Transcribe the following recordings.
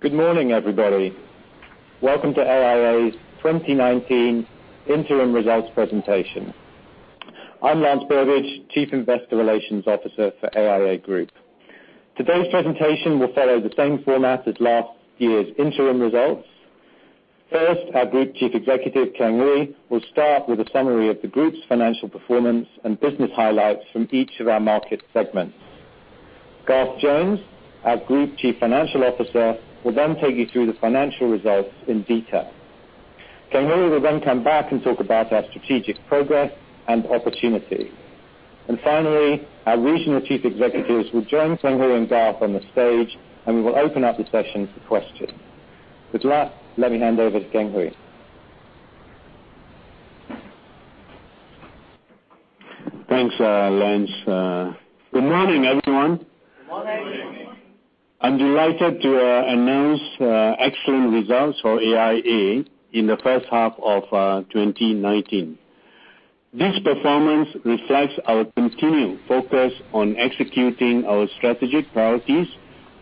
Good morning, everybody. Welcome to AIA's 2019 interim results presentation. I'm Lance Burbidge, Chief Investor Relations Officer for AIA Group. Today's presentation will follow the same format as last year's interim results. First, our Group Chief Executive, Keng Hooi, will start with a summary of the group's financial performance and business highlights from each of our market segments. Garth Jones, our Group Chief Financial Officer, will then take you through the financial results in detail. Keng Hooi will then come back and talk about our strategic progress and opportunities. Finally, our Regional Chief Executives will join Keng Hooi and Garth on the stage, and we will open up the session for questions. With that, let me hand over to Keng Hooi. Thanks, Lance. Good morning, everyone. Good morning. I'm delighted to announce excellent results for AIA in the first half of 2019. This performance reflects our continued focus on executing our strategic priorities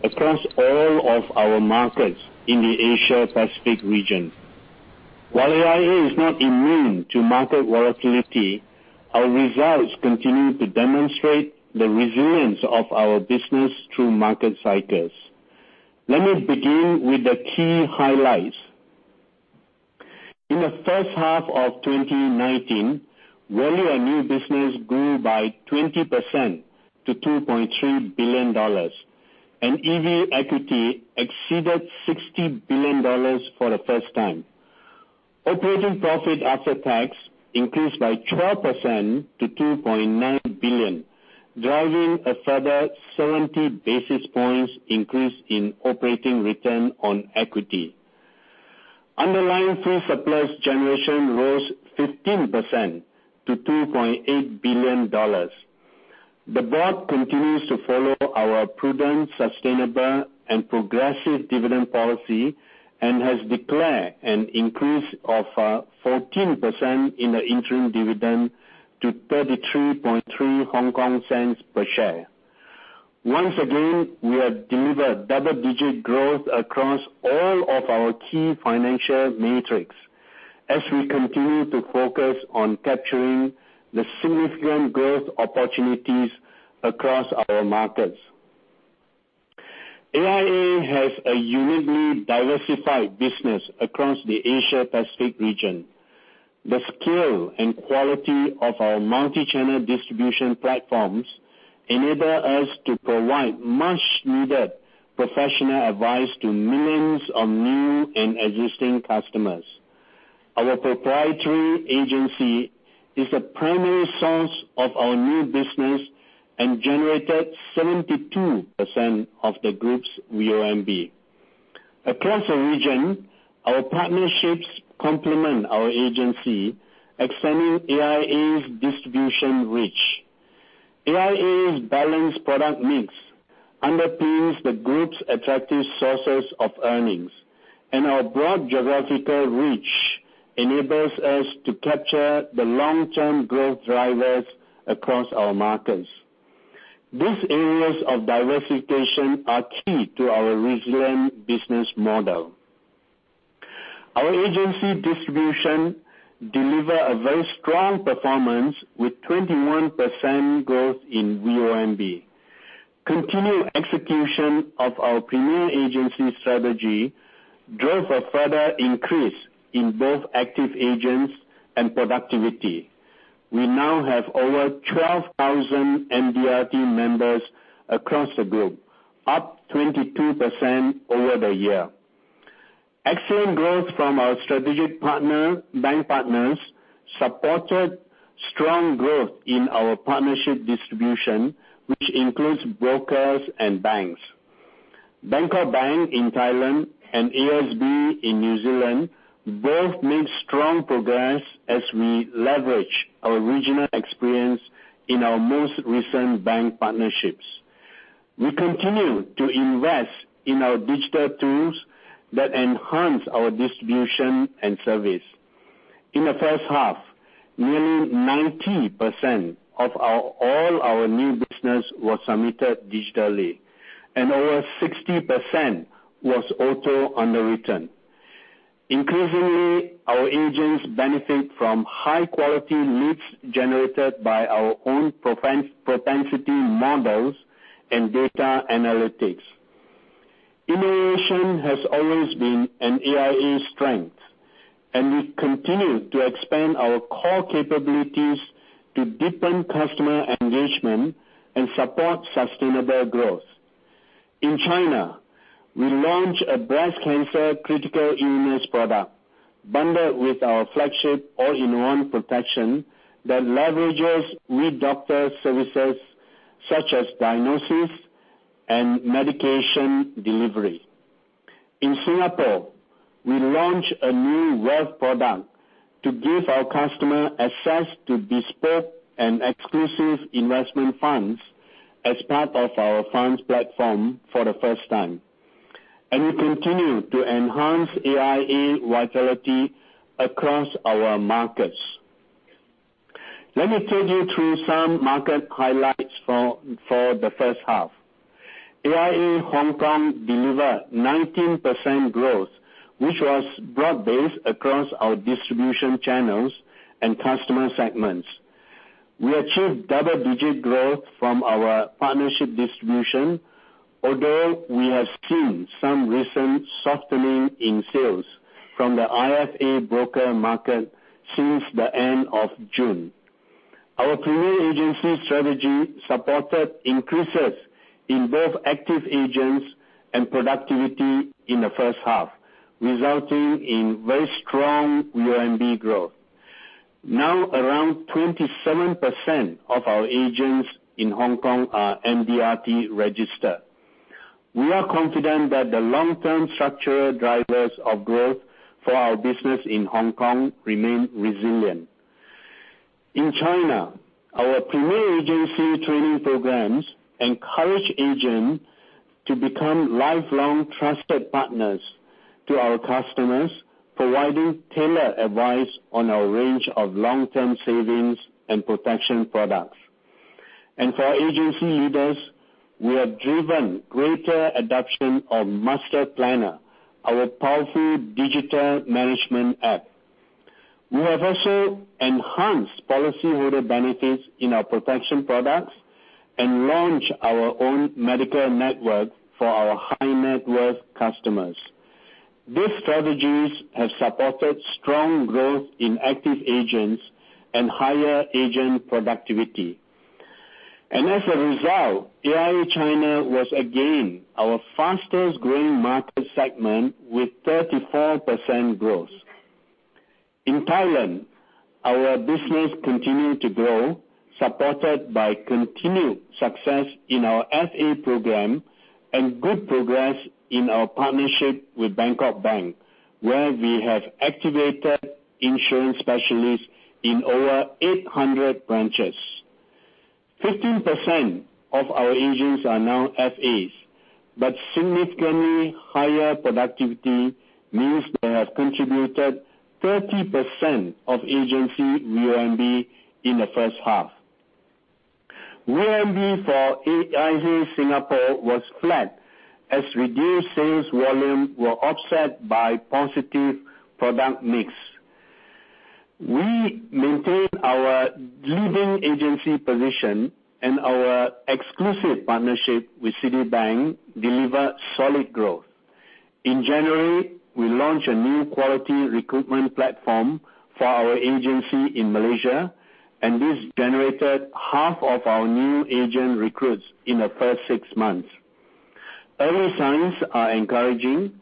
across all of our markets in the Asia Pacific region. While AIA is not immune to market volatility, our results continue to demonstrate the resilience of our business through market cycles. Let me begin with the key highlights. In the first half of 2019, well, our new business grew by 20% to 2.3 billion dollars. EV equity exceeded 60 billion dollars for the first time. Operating profit after tax increased by 12% to 2.9 billion, driving a further 70 basis points increase in operating return on equity. Underlying free surplus generation rose 15% to 2.8 billion dollars. The board continues to follow our prudent, sustainable, and progressive dividend policy and has declared an increase of 14% in the interim dividend to 0.333 per share. Once again, we have delivered double-digit growth across all of our key financial metrics as we continue to focus on capturing the significant growth opportunities across our markets. AIA has a uniquely diversified business across the Asia Pacific region. The scale and quality of our multi-channel distribution platforms enable us to provide much needed professional advice to millions of new and existing customers. Our proprietary agency is a primary source of our new business and generated 72% of the group's VONB. Across the region, our partnerships complement our agency, extending AIA's distribution reach. AIA's balanced product mix underpins the group's attractive sources of earnings, and our broad geographical reach enables us to capture the long-term growth drivers across our markets. These areas of diversification are key to our resilient business model. Our agency distribution deliver a very strong performance with 21% growth in VONB. Continued execution of our premier agency strategy drove a further increase in both active agents and productivity. We now have over 12,000 MDRT members across the group, up 22% over the year. Excellent growth from our strategic partner, bank partners, supported strong growth in our partnership distribution, which includes brokers and banks. Bangkok Bank in Thailand and ASB in New Zealand both made strong progress as we leverage our regional experience in our most recent bank partnerships. We continue to invest in our digital tools that enhance our distribution and service. In the first half, nearly 90% of all our new business was submitted digitally, and over 60% was also underwritten. Increasingly, our agents benefit from high-quality leads generated by our own propensity models and data analytics. Innovation has always been an AIA strength, and we continue to expand our core capabilities to deepen customer engagement and support sustainable growth. In China, we launched a breast cancer critical illness product bundled with our flagship all-in-one protection that leverages WeDoctor services such as diagnosis and medication delivery. In Singapore, we launched a new wealth product to give our customer access to bespoke and exclusive investment funds as part of our funds platform for the first time. We continue to enhance AIA Vitality across our markets. Let me take you through some market highlights for the first half. AIA Hong Kong delivered 19% growth, which was broad-based across our distribution channels and customer segments. We achieved double-digit growth from our partnership distribution, although we have seen some recent softening in sales from the IFA broker market since the end of June. Our premium agency strategy supported increases in both active agents and productivity in the first half, resulting in very strong VONB growth. Around 27% of our agents in Hong Kong are MDRT registered. We are confident that the long-term structural drivers of growth for our business in Hong Kong remain resilient. In China, our premier agency training programs encourage agents to become lifelong trusted partners to our customers, providing tailored advice on our range of long-term savings and protection products. For our agency leaders, we have driven greater adoption of Master Planner, our powerful digital management app. We have also enhanced policyholder benefits in our protection products and launched our own medical network for our high-net-worth customers. These strategies have supported strong growth in active agents and higher agent productivity. As a result, AIA China was again our fastest-growing market segment with 34% growth. In Thailand, our business continued to grow, supported by continued success in our FA program and good progress in our partnership with Bangkok Bank, where we have activated insurance specialists in over 800 branches. 15% of our agents are now FAs, significantly higher productivity means they have contributed 30% of agency VUNB in the first half. VUNB for AIA Singapore was flat as reduced sales volume were offset by positive product mix. We maintained our leading agency position and our exclusive partnership with Citibank delivered solid growth. In January, we launched a new quality recruitment platform for our agency in Malaysia, this generated half of our new agent recruits in the first six months. Early signs are encouraging.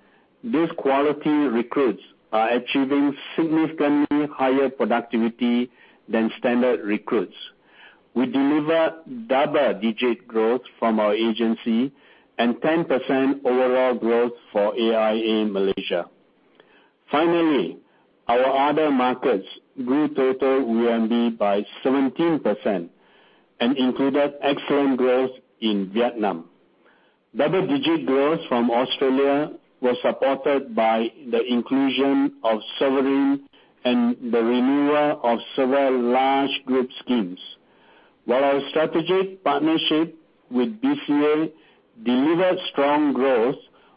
These quality recruits are achieving significantly higher productivity than standard recruits. We delivered double-digit growth from our agency and 10% overall growth for AIA Malaysia. Finally, our other markets grew total VONB by 17% and included excellent growth in Vietnam. Double-digit growth from Australia was supported by the inclusion of Sovereign and the renewal of several large group schemes. While our strategic partnership with BCA delivered strong growth,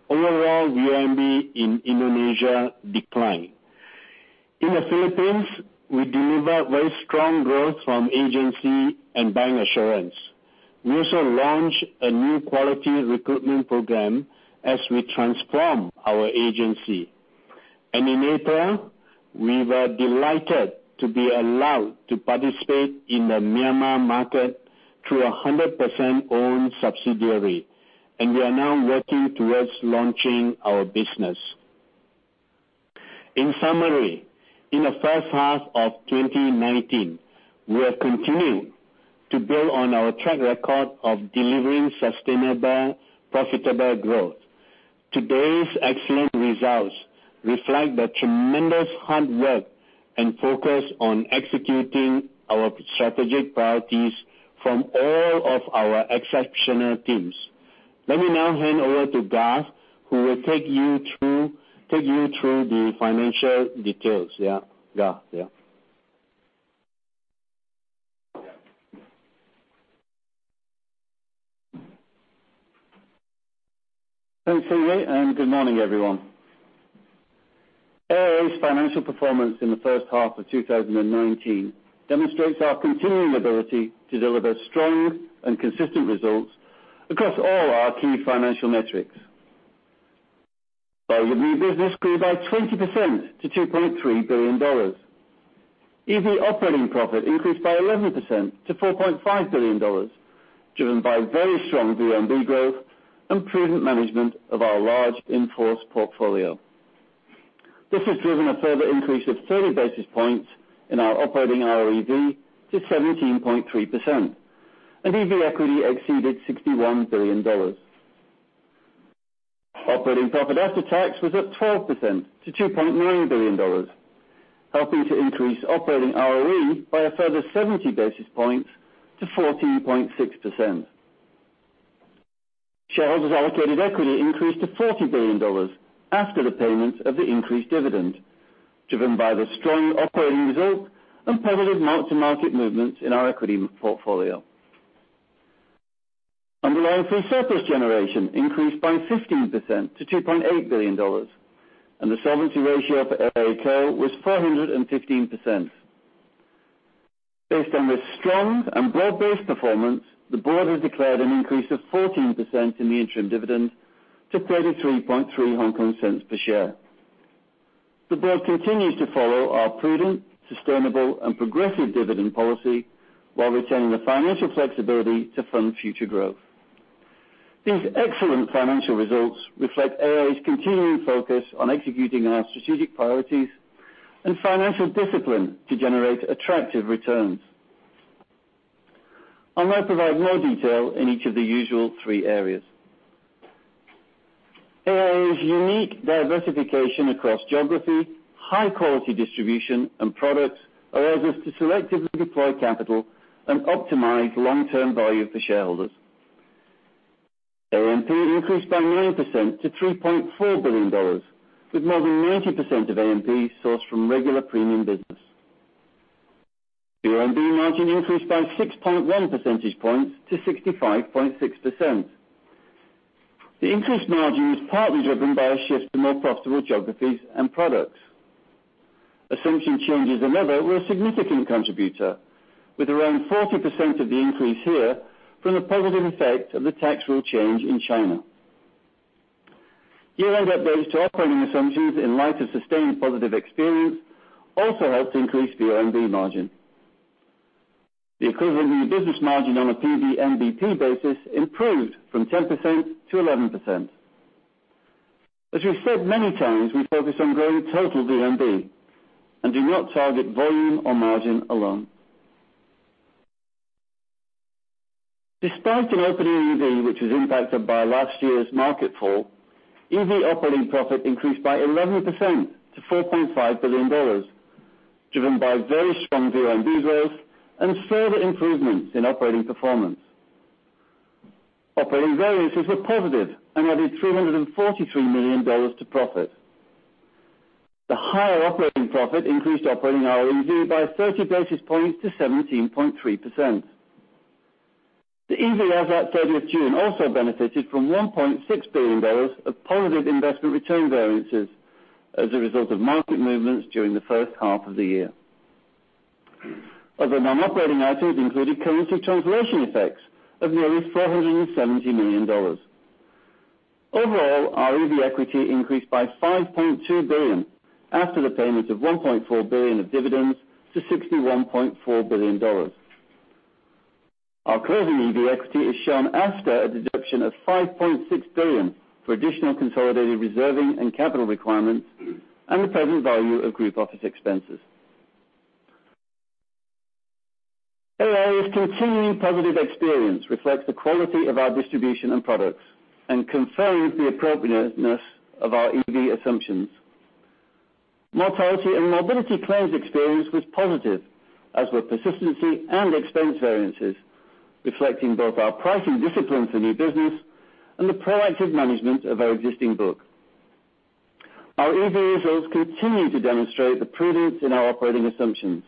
overall VONB in Indonesia declined. In the Philippines, we delivered very strong growth from agency and bank assurance. We also launched a new quality recruitment program as we transform our agency. In Asia, we were delighted to be allowed to participate in the Myanmar market through a 100% owned subsidiary, and we are now working towards launching our business. In summary, in the first half of 2019, we have continued to build on our track record of delivering sustainable, profitable growth. Today's excellent results reflect the tremendous hard work and focus on executing our strategic priorities from all of our exceptional teams. Let me now hand over to Garth, who will take you through the financial details. Yeah. Garth, yeah. Thanks, Keng Hooi, and good morning, everyone. AIA's financial performance in the first half of 2019 demonstrates our continuing ability to deliver strong and consistent results across all our key financial metrics. Value of new business grew by 20% to 2.3 billion dollars. EV operating profit increased by 11% to 4.5 billion dollars, driven by very strong VONB growth and prudent management of our large in-force portfolio. This has driven a further increase of 30 basis points in our operating ROE to 17.3%, and EV equity exceeded 61 billion dollars. Operating profit after tax was up 12% to 2.9 billion dollars, helping to increase operating ROE by a further 70 basis points to 14.6%. Shareholders allocated equity increased to 40 billion dollars after the payment of the increased dividend, driven by the strong operating results and positive mark-to-market movements in our equity portfolio. Underlying free surplus generation increased by 15% to 2.8 billion dollars, and the solvency ratio for AIA Co. was 415%. Based on this strong and broad-based performance, the board has declared an increase of 14% in the interim dividend to 0.333 per share. The board continues to follow our prudent, sustainable and progressive dividend policy while retaining the financial flexibility to fund future growth. These excellent financial results reflect AIA's continuing focus on executing our strategic priorities and financial discipline to generate attractive returns. I'm going to provide more detail in each of the usual three areas. AIA's unique diversification across geography, high quality distribution and products allows us to selectively deploy capital and optimize long-term value for shareholders. ANP increased by 9% to 3.4 billion dollars, with more than 90% of ANP sourced from regular premium business. VNB margin increased by 6.1 percentage points to 65.6%. The increased margin was partly driven by a shift to more profitable geographies and products. Assumption changes and other were a significant contributor, with around 40% of the increase here from the positive effect of the tax rule change in China. Year-end updates to operating assumptions in light of sustained positive experience also helped increase the VONB margin. The equivalent new business margin on a PVNBP basis improved from 10% to 11%. As we've said many times, we focus on growing total VNB and do not target volume or margin alone. Despite an opening EV, which was impacted by last year's market fall, EV operating profit increased by 11% to 4.5 billion dollars, driven by very strong VNB growth and further improvements in operating performance. Operating variances were positive and added 343 million dollars to profit. The higher operating profit increased operating ROEV by 30 basis points to 17.3%. The EV as at 30th June also benefited from 1.6 billion dollars of positive investment return variances as a result of market movements during the first half of the year. Other non-operating items included currency translation effects of nearly 470 million dollars. Overall, our EV equity increased by 5.2 billion after the payment of 1.4 billion of dividends to 61.4 billion dollars. Our closing EV equity is shown after a deduction of 5.6 billion for additional consolidated reserving and capital requirements and the present value of group office expenses. AIA's continuing positive experience reflects the quality of our distribution and products and confirms the appropriateness of our EV assumptions. Mortality and morbidity claims experience was positive, as were persistency and expense variances, reflecting both our pricing discipline for new business and the proactive management of our existing book. Our EV results continue to demonstrate the prudence in our operating assumptions.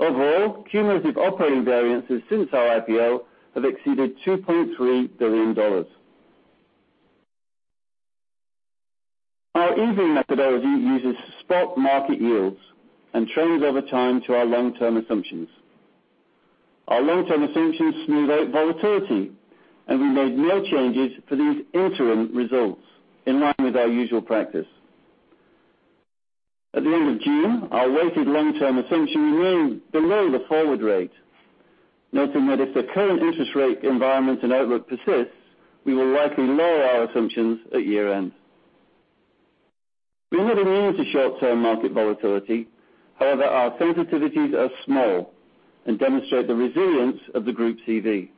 Overall, cumulative operating variances since our IPO have exceeded 2.3 billion dollars. Our EV methodology uses spot market yields and trends over time to our long-term assumptions. Our long-term assumptions smooth out volatility, and we made no changes for these interim results in line with our usual practice. At the end of June, our weighted long-term assumption remained below the forward rate, noting that if the current interest rate environment and outlook persists, we will likely lower our assumptions at year-end. We are not immune to short-term market volatility. However, our sensitivities are small and demonstrate the resilience of the Group's EV.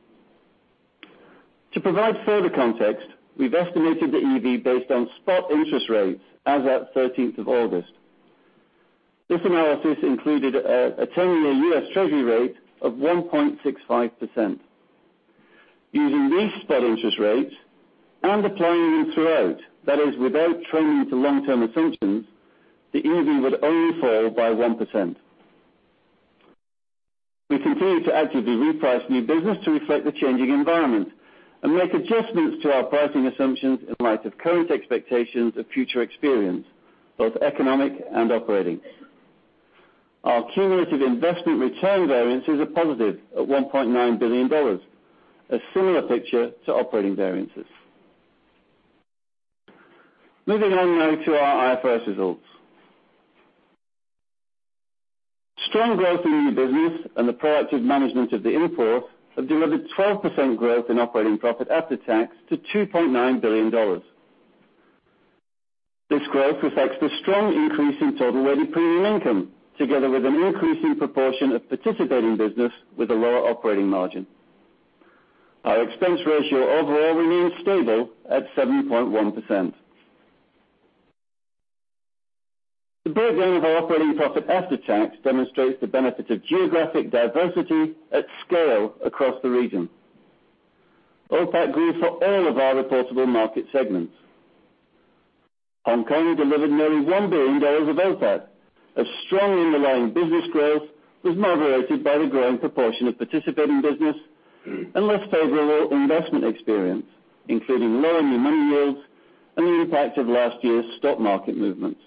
To provide further context, we've estimated the EV based on spot interest rates as at 13th of August. This analysis included a 10-year U.S. Treasury rate of 1.65%. Using these spot interest rates and applying them throughout, that is, without trending to long-term assumptions, the EV would only fall by 1%. We continue to actively reprice new business to reflect the changing environment and make adjustments to our pricing assumptions in light of current expectations of future experience, both economic and operating. Our cumulative investment return variances are positive at 1.9 billion dollars, a similar picture to operating variances. Moving on now to our IFRS results. Strong growth in new business and the proactive management of the import have delivered 12% growth in operating profit after tax to 2.9 billion dollars. This growth reflects the strong increase in total weighted premium income, together with an increasing proportion of participating business with a lower operating margin. Our expense ratio overall remained stable at 7.1%. The breakdown of our operating profit after tax demonstrates the benefit of geographic diversity at scale across the region. OPAT grew for all of our reportable market segments. Hong Kong delivered nearly 1 billion dollars of OPAT. A strong underlying business growth was moderated by the growing proportion of participating business and less favorable investment experience, including lower new money yields and the impact of last year's stock market movements.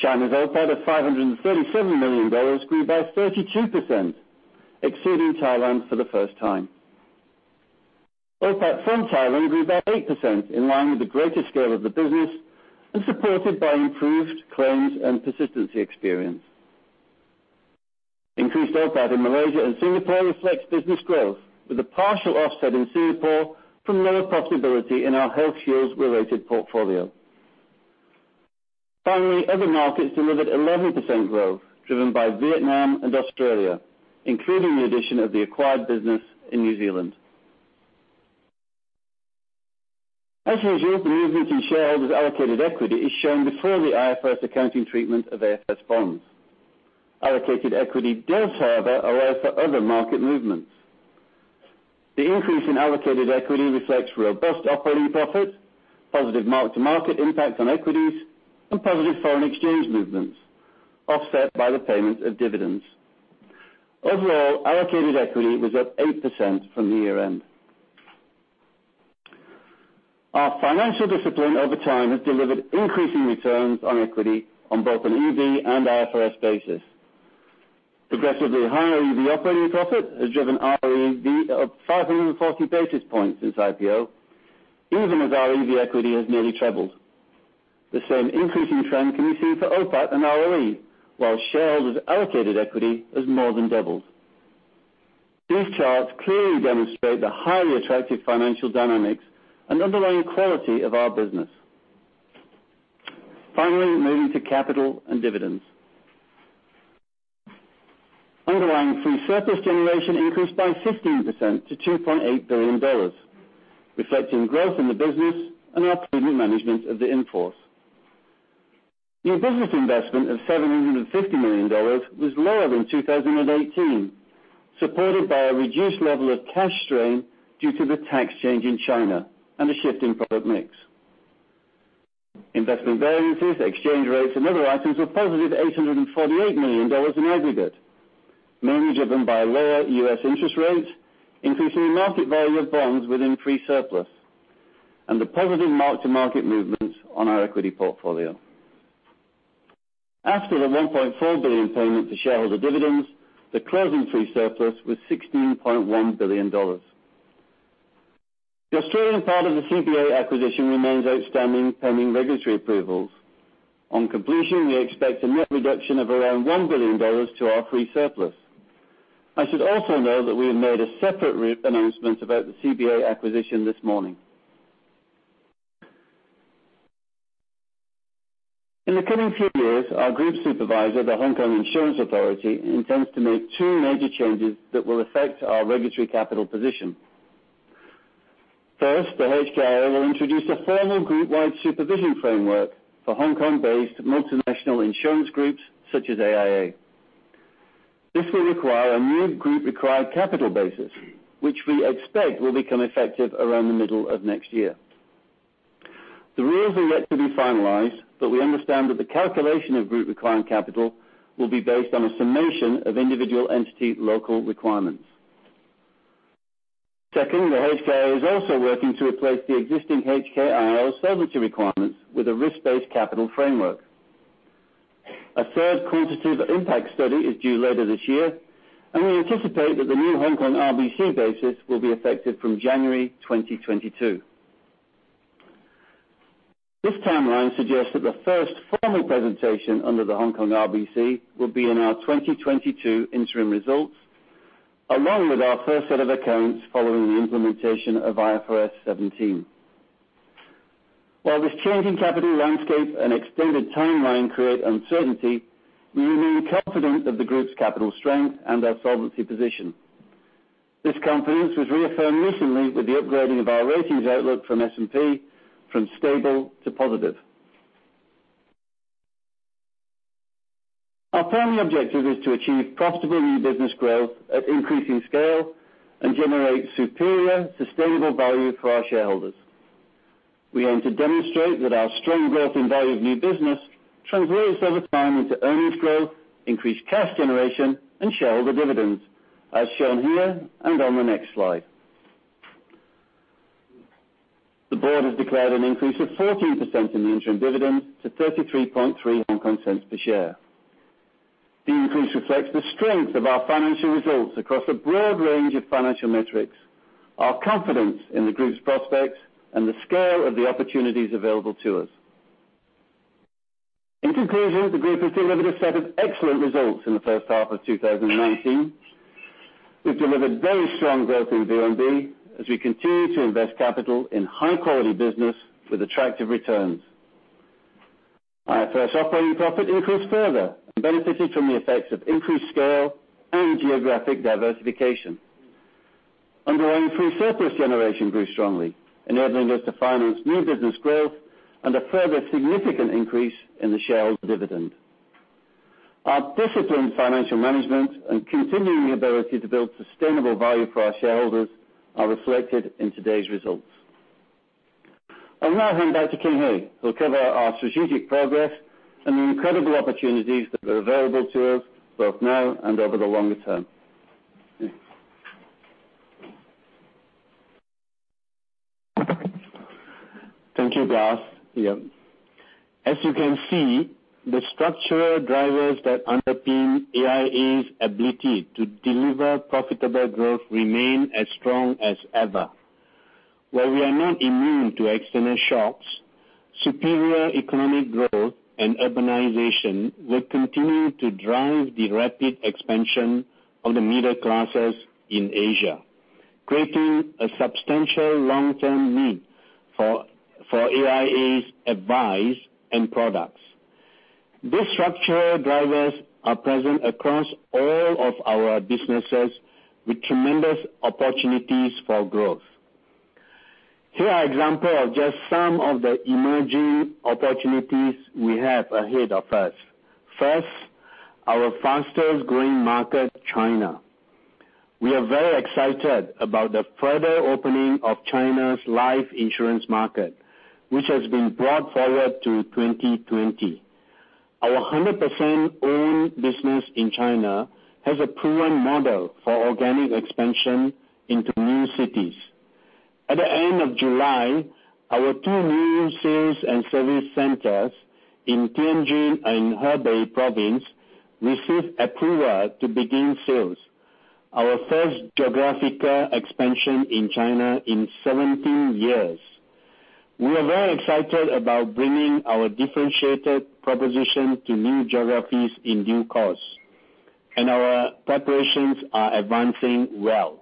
China's OPAT of 537 million dollars grew by 32%, exceeding Thailand for the first time. OPAT from Thailand grew by 8%, in line with the greater scale of the business and supported by improved claims and persistency experience. Increased OPAT in Malaysia and Singapore reflects business growth with a partial offset in Singapore from lower profitability in our HealthShield-related portfolio. Finally, other markets delivered 11% growth, driven by Vietnam and Australia, including the addition of the acquired business in New Zealand. As a result, the movement in shareholders' allocated equity is shown before the IFRS accounting treatment of AFS bonds. Allocated equity does, however, allow for other market movements. The increase in allocated equity reflects robust operating profit, positive mark-to-market impact on equities, and positive foreign exchange movements offset by the payment of dividends. Overall, allocated equity was up 8% from the year end. Our financial discipline over time has delivered increasing returns on equity on both an EV and IFRS basis. Progressively higher EV operating profit has driven ROEV of 540 basis points since IPO, even as our EV equity has nearly tripled. The same increasing trend can be seen for OPAT and ROE, while shareholders' allocated equity has more than doubled. These charts clearly demonstrate the highly attractive financial dynamics and underlying quality of our business. Moving to capital and dividends. Underlying free surplus generation increased by 15% to HKD 2.8 billion, reflecting growth in the business and our prudent management of the in-force. New business investment of 750 million dollars was lower than 2018, supported by a reduced level of cash strain due to the tax change in China and a shift in product mix. Investment variances, exchange rates, and other items were positive 848 million dollars in aggregate, mainly driven by lower U.S. interest rates, increasing the market value of bonds within free surplus, and the positive mark-to-market movements on our equity portfolio. After the 1.4 billion payment to shareholder dividends, the closing free surplus was 16.1 billion dollars. The Australian part of the CBA acquisition remains outstanding pending regulatory approvals. On completion, we expect a net reduction of around 1 billion dollars to our free surplus. I should also note that we have made a separate announcement about the CBA acquisition this morning. In the coming few years, our group supervisor, the Hong Kong Insurance Authority, intends to make two major changes that will affect our regulatory capital position. First, the HKIA will introduce a formal group-wide supervision framework for Hong Kong-based multinational insurance groups such as AIA. This will require a new group required capital basis, which we expect will become effective around the middle of next year. The rules are yet to be finalized, we understand that the calculation of group required capital will be based on a summation of individual entity local requirements. Second, the HKIA is also working to replace the existing HKIO solvency requirements with a risk-based capital framework. A third quantitative impact study is due later this year, and we anticipate that the new Hong Kong RBC basis will be effective from January 2022. This timeline suggests that the first formal presentation under the Hong Kong RBC will be in our 2022 interim results, along with our first set of accounts following the implementation of IFRS 17. While this changing capital landscape and extended timeline create uncertainty, we remain confident of the group's capital strength and our solvency position. This confidence was reaffirmed recently with the upgrading of our ratings outlook from S&P from stable to positive. Our primary objective is to achieve profitable new business growth at increasing scale and generate superior, sustainable value for our shareholders. We aim to demonstrate that our strong growth in value of new business translates over time into earnings growth, increased cash generation, and shareholder dividends, as shown here and on the next slide. The board has declared an increase of 14% in the interim dividend to 0.333 per share. The increase reflects the strength of our financial results across a broad range of financial metrics, our confidence in the group's prospects, and the scale of the opportunities available to us. In conclusion, the group has delivered a set of excellent results in the first half of 2019. We've delivered very strong growth in VNB as we continue to invest capital in high-quality business with attractive returns. IFRS operating profit increased further and benefited from the effects of increased scale and geographic diversification. Underlying free surplus generation grew strongly, enabling us to finance new business growth and a further significant increase in the shareholders' dividend. Our disciplined financial management and continuing the ability to build sustainable value for our shareholders are reflected in today's results. I'll now hand back to Keng Hooi, who'll cover our strategic progress and the incredible opportunities that are available to us both now and over the longer term. Thanks. Thank you, Garth. As you can see, the structural drivers that underpin AIA's ability to deliver profitable growth remain as strong as ever. While we are not immune to external shocks, superior economic growth and urbanization will continue to drive the rapid expansion of the middle classes in Asia, creating a substantial long-term need for AIA's advice and products. These structural drivers are present across all of our businesses, with tremendous opportunities for growth. Here are example of just some of the emerging opportunities we have ahead of us. First, our fastest growing market, China. We are very excited about the further opening of China's life insurance market, which has been brought forward to 2020. Our 100% owned business in China has a proven model for organic expansion into new cities. At the end of July, our two new sales and service centers in Tianjin and Hebei Province received approval to begin sales, our first geographical expansion in China in 17 years. We are very excited about bringing our differentiated proposition to new geographies in due course, and our preparations are advancing well.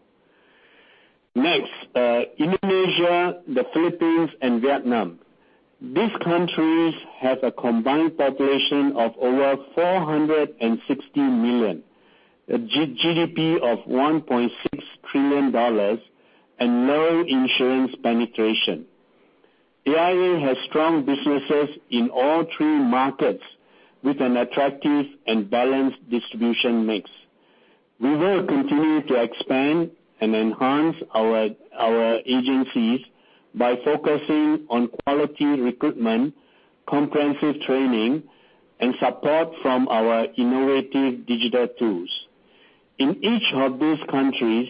Next, Indonesia, the Philippines and Vietnam. These countries have a combined population of over 460 million, a GDP of $1.6 trillion and low insurance penetration. AIA has strong businesses in all three markets with an attractive and balanced distribution mix. We will continue to expand and enhance our agencies by focusing on quality recruitment, comprehensive training, and support from our innovative digital tools. In each of these countries,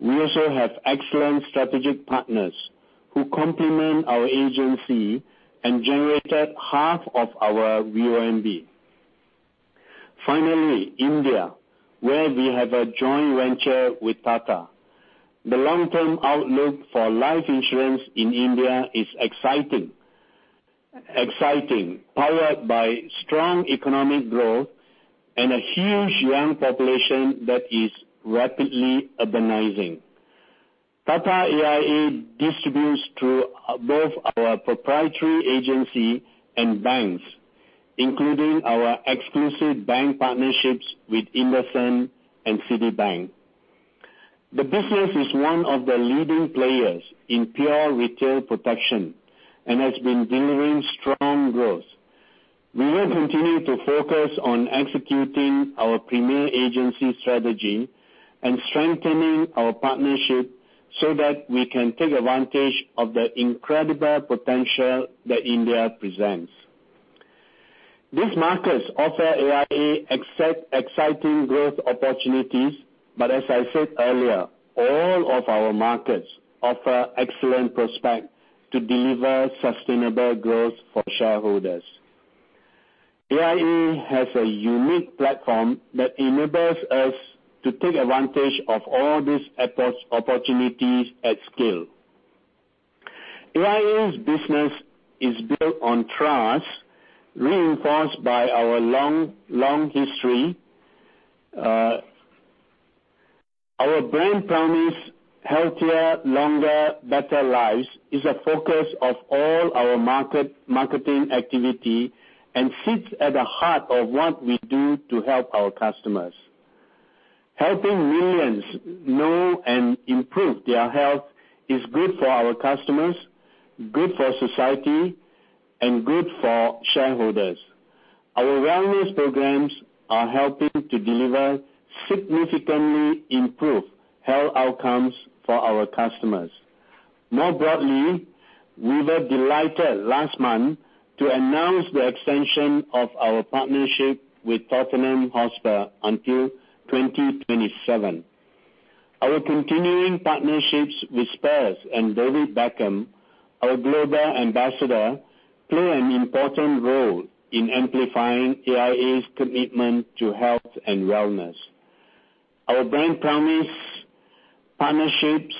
we also have excellent strategic partners who complement our agency and generated half of our VONB. Finally, India, where we have a joint venture with Tata. The long term outlook for life insurance in India is exciting, powered by strong economic growth and a huge young population that is rapidly urbanizing. Tata AIA distributes through both our proprietary agency and banks, including our exclusive bank partnerships with IndusInd and Citibank. The business is one of the leading players in pure retail protection and has been delivering strong growth. We will continue to focus on executing our premier agency strategy and strengthening our partnership so that we can take advantage of the incredible potential that India presents. These markets offer AIA exciting growth opportunities, but as I said earlier, all of our markets offer excellent prospect to deliver sustainable growth for shareholders. AIA has a unique platform that enables us to take advantage of all these opportunities at scale. AIA's business is built on trust, reinforced by our long history. Our brand promise, Healthier, Longer, Better Lives, is a focus of all our marketing activity and sits at the heart of what we do to help our customers. Helping millions know and improve their health is good for our customers, good for society, and good for shareholders. Our wellness programs are helping to deliver significantly improved health outcomes for our customers. More broadly, we were delighted last month to announce the extension of our partnership with Tottenham Hotspur until 2027. Our continuing partnerships with Spurs and David Beckham, our global ambassador, play an important role in amplifying AIA's commitment to health and wellness. Our brand promise, partnerships,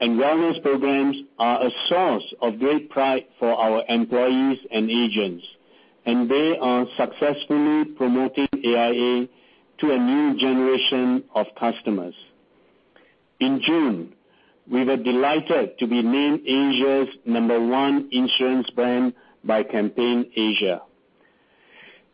and wellness programs are a source of great pride for our employees and agents, and they are successfully promoting AIA to a new generation of customers. In June, we were delighted to be named Asia's number one insurance brand by Campaign Asia.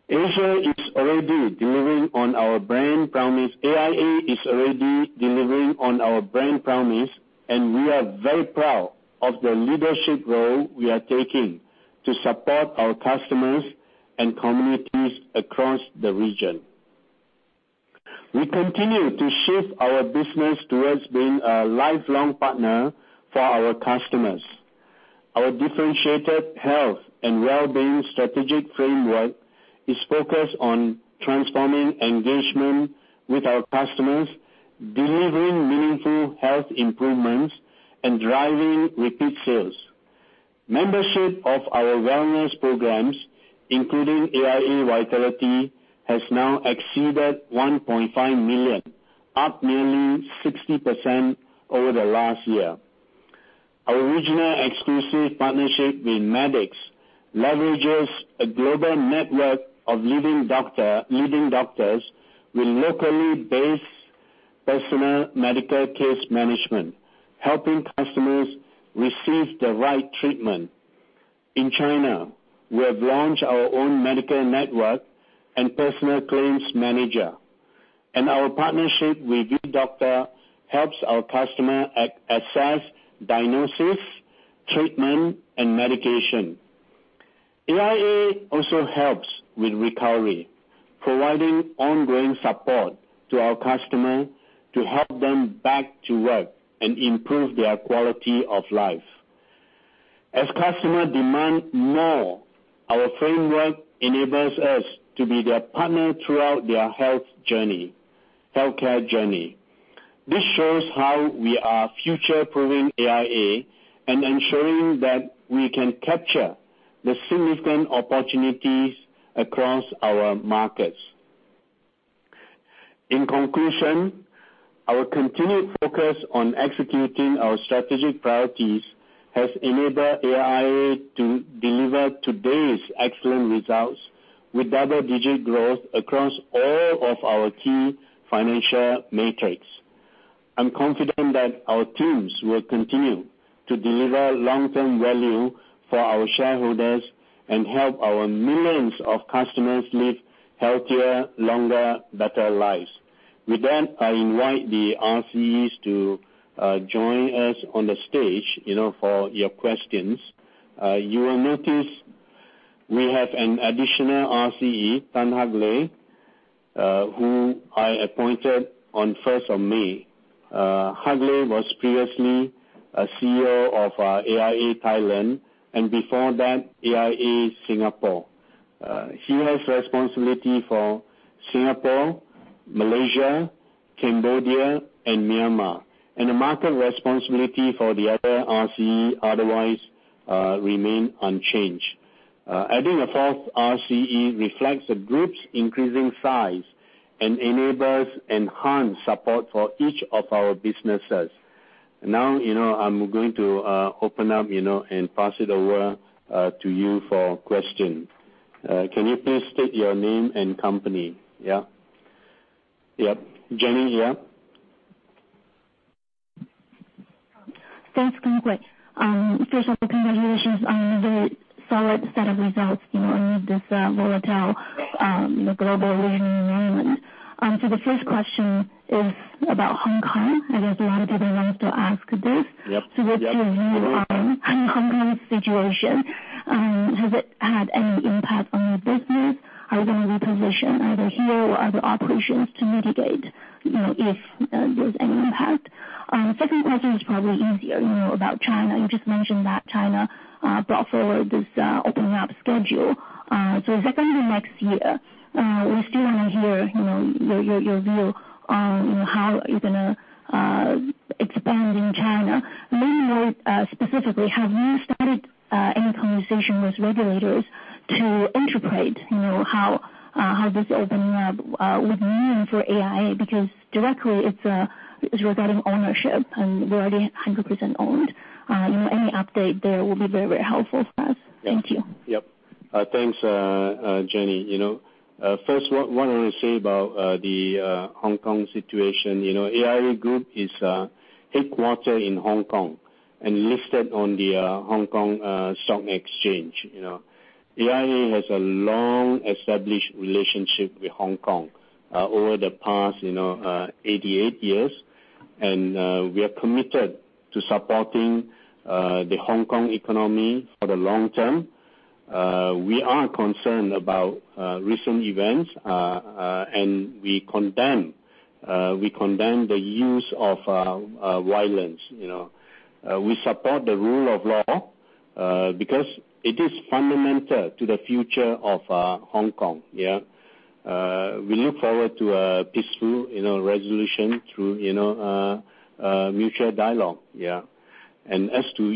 Asia is already delivering on our brand promise. AIA is already delivering on our brand promise. We are very proud of the leadership role we are taking to support our customers and communities across the region. We continue to shift our business towards being a lifelong partner for our customers. Our differentiated health and wellbeing strategic framework is focused on transforming engagement with our customers, delivering meaningful health improvements, and driving repeat sales. Membership of our wellness programs, including AIA Vitality, has now exceeded 1.5 million, up nearly 60% over the last year. Our original exclusive partnership with Medix leverages a global network of leading doctors with locally based personal medical case management, helping customers receive the right treatment. In China, we have launched our own medical network and personal claims manager. Our partnership with WeDoctor helps our customer assess diagnosis, treatment, and medication. AIA also helps with recovery, providing ongoing support to our customer to help them back to work and improve their quality of life. As customer demand more, our framework enables us to be their partner throughout their healthcare journey. This shows how we are future-proofing AIA and ensuring that we can capture the significant opportunities across our markets. In conclusion, our continued focus on executing our strategic priorities has enabled AIA to deliver today's excellent results with double-digit growth across all of our key financial metrics. I'm confident that our teams will continue to deliver long-term value for our shareholders and help our millions of customers live healthier, longer, better lives. With that, I invite the RCEs to join us on the stage for your questions. You will notice we have an additional RCE, Tan Hak Leh, who I appointed on the 1st of May. Hak Leh was previously a CEO of AIA Thailand and before that, AIA Singapore. He has responsibility for Singapore, Malaysia, Cambodia, and Myanmar, the market responsibility for the other RCE otherwise remain unchanged. Adding a fourth RCE reflects the group's increasing size and enables enhanced support for each of our businesses. I'm going to open up and pass it over to you for questions. Can you please state your name and company? Yeah. Jenny, yeah. Thanks, Keng Hooi. First of all, congratulations on the very solid set of results amid this volatile global environment. The first question is about Hong Kong. I guess a lot of people want to ask this. Yep. What's your view on Hong Kong's situation? Has it had any impact on your business? How are you going to reposition either here or other operations to mitigate if there's any impact? Second question is probably easier, about China. You just mentioned that China brought forward this opening up schedule. Secondly, next year, we still want to hear your view on how you're going to expand in China. Maybe more specifically, have you started any conversation with regulators to interpret how this opening up would mean for AIA? Because directly it's regarding ownership, and we're already 100% owned. Any update there will be very helpful for us. Thank you. Yep. Thanks, Jenny. First, what I want to say about the Hong Kong situation. AIA Group is headquartered in Hong Kong and listed on the Hong Kong Stock Exchange. AIA has a long-established relationship with Hong Kong over the past 88 years. We are committed to supporting the Hong Kong economy for the long term. We are concerned about recent events. We condemn the use of violence. We support the rule of law because it is fundamental to the future of Hong Kong, yeah. We look forward to a peaceful resolution through mutual dialogue, yeah. As to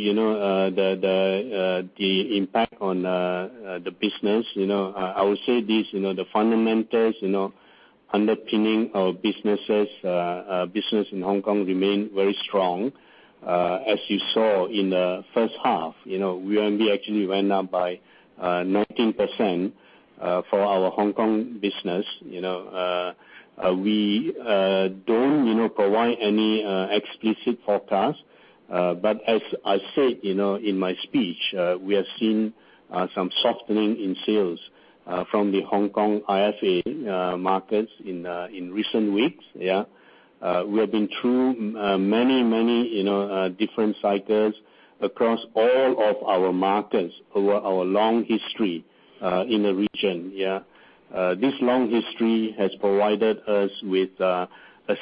the impact on the business, I would say this, the fundamentals underpinning our business in Hong Kong remain very strong. As you saw in the first half, we actually went up by 19% for our Hong Kong business. We don't provide any explicit forecast. As I said in my speech, we have seen some softening in sales from the Hong Kong IFA markets in recent weeks. We have been through many different cycles across all of our markets over our long history in the region. This long history has provided us with a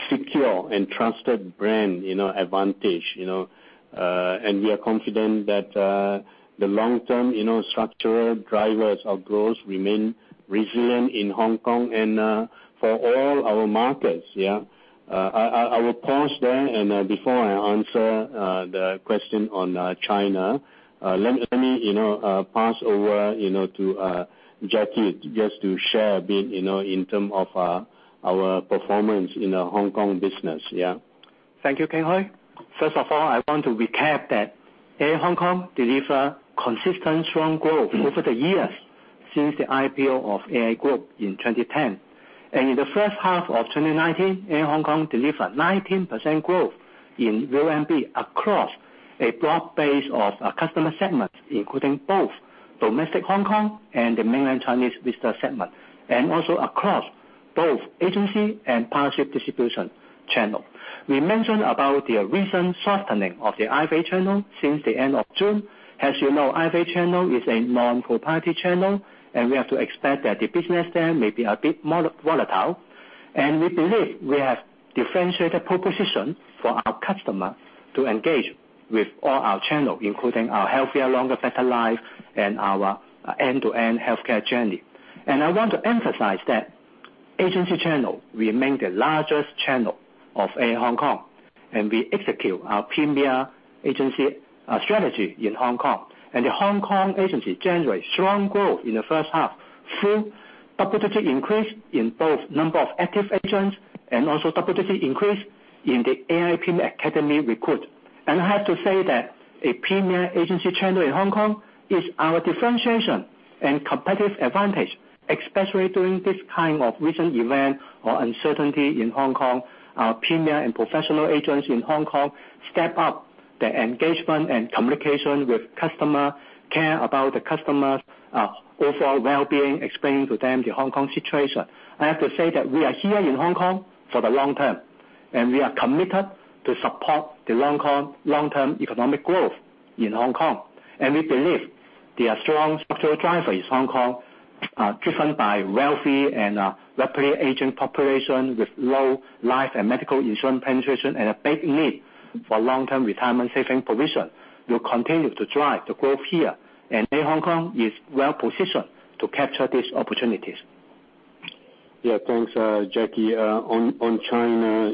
secure and trusted brand advantage. We are confident that the long-term structural drivers of growth remain resilient in Hong Kong and for all our markets. I will pause there and before I answer the question on China, let me pass over to Jacky just to share a bit in term of our performance in the Hong Kong business. Thank you, Keng Hooi. First of all, I want to recap that AIA Hong Kong deliver consistent, strong growth over the years since the IPO of AIA Group in 2010. In the first half of 2019, AIA Hong Kong delivered 19% growth in RMB across a broad base of customer segments, including both domestic Hong Kong and the mainland Chinese visitor segment, and also across both agency and partnership distribution channel. We mentioned about the recent softening of the IFA channel since the end of June. As you know, IFA channel is a non-proprietary channel, and we have to expect that the business there may be a bit more volatile. We believe we have differentiated proposition for our customer to engage with all our channel, including our healthier, longer, better life and our end-to-end healthcare journey. I want to emphasize that agency channel remain the largest channel of AIA Hong Kong, and we execute our premier agency strategy in Hong Kong. The Hong Kong agency generate strong growth in the first half through double-digit increase in both number of active agents and also double-digit increase in the AIA Academy recruit. I have to say that a premier agency channel in Hong Kong is our differentiation and competitive advantage, especially during this kind of recent event or uncertainty in Hong Kong. Our premier and professional agents in Hong Kong step up their engagement and communication with customer, care about the customers' overall wellbeing, explaining to them the Hong Kong situation. I have to say that we are here in Hong Kong for the long term, and we are committed to support the long-term economic growth in Hong Kong. We believe there are strong structural drivers in Hong Kong, driven by wealthy and rapidly aging population with low life and medical insurance penetration and a big need for long-term retirement saving provision. We'll continue to drive the growth here, and AIA Hong Kong is well-positioned to capture these opportunities. Yeah. Thanks, Jacky. On China,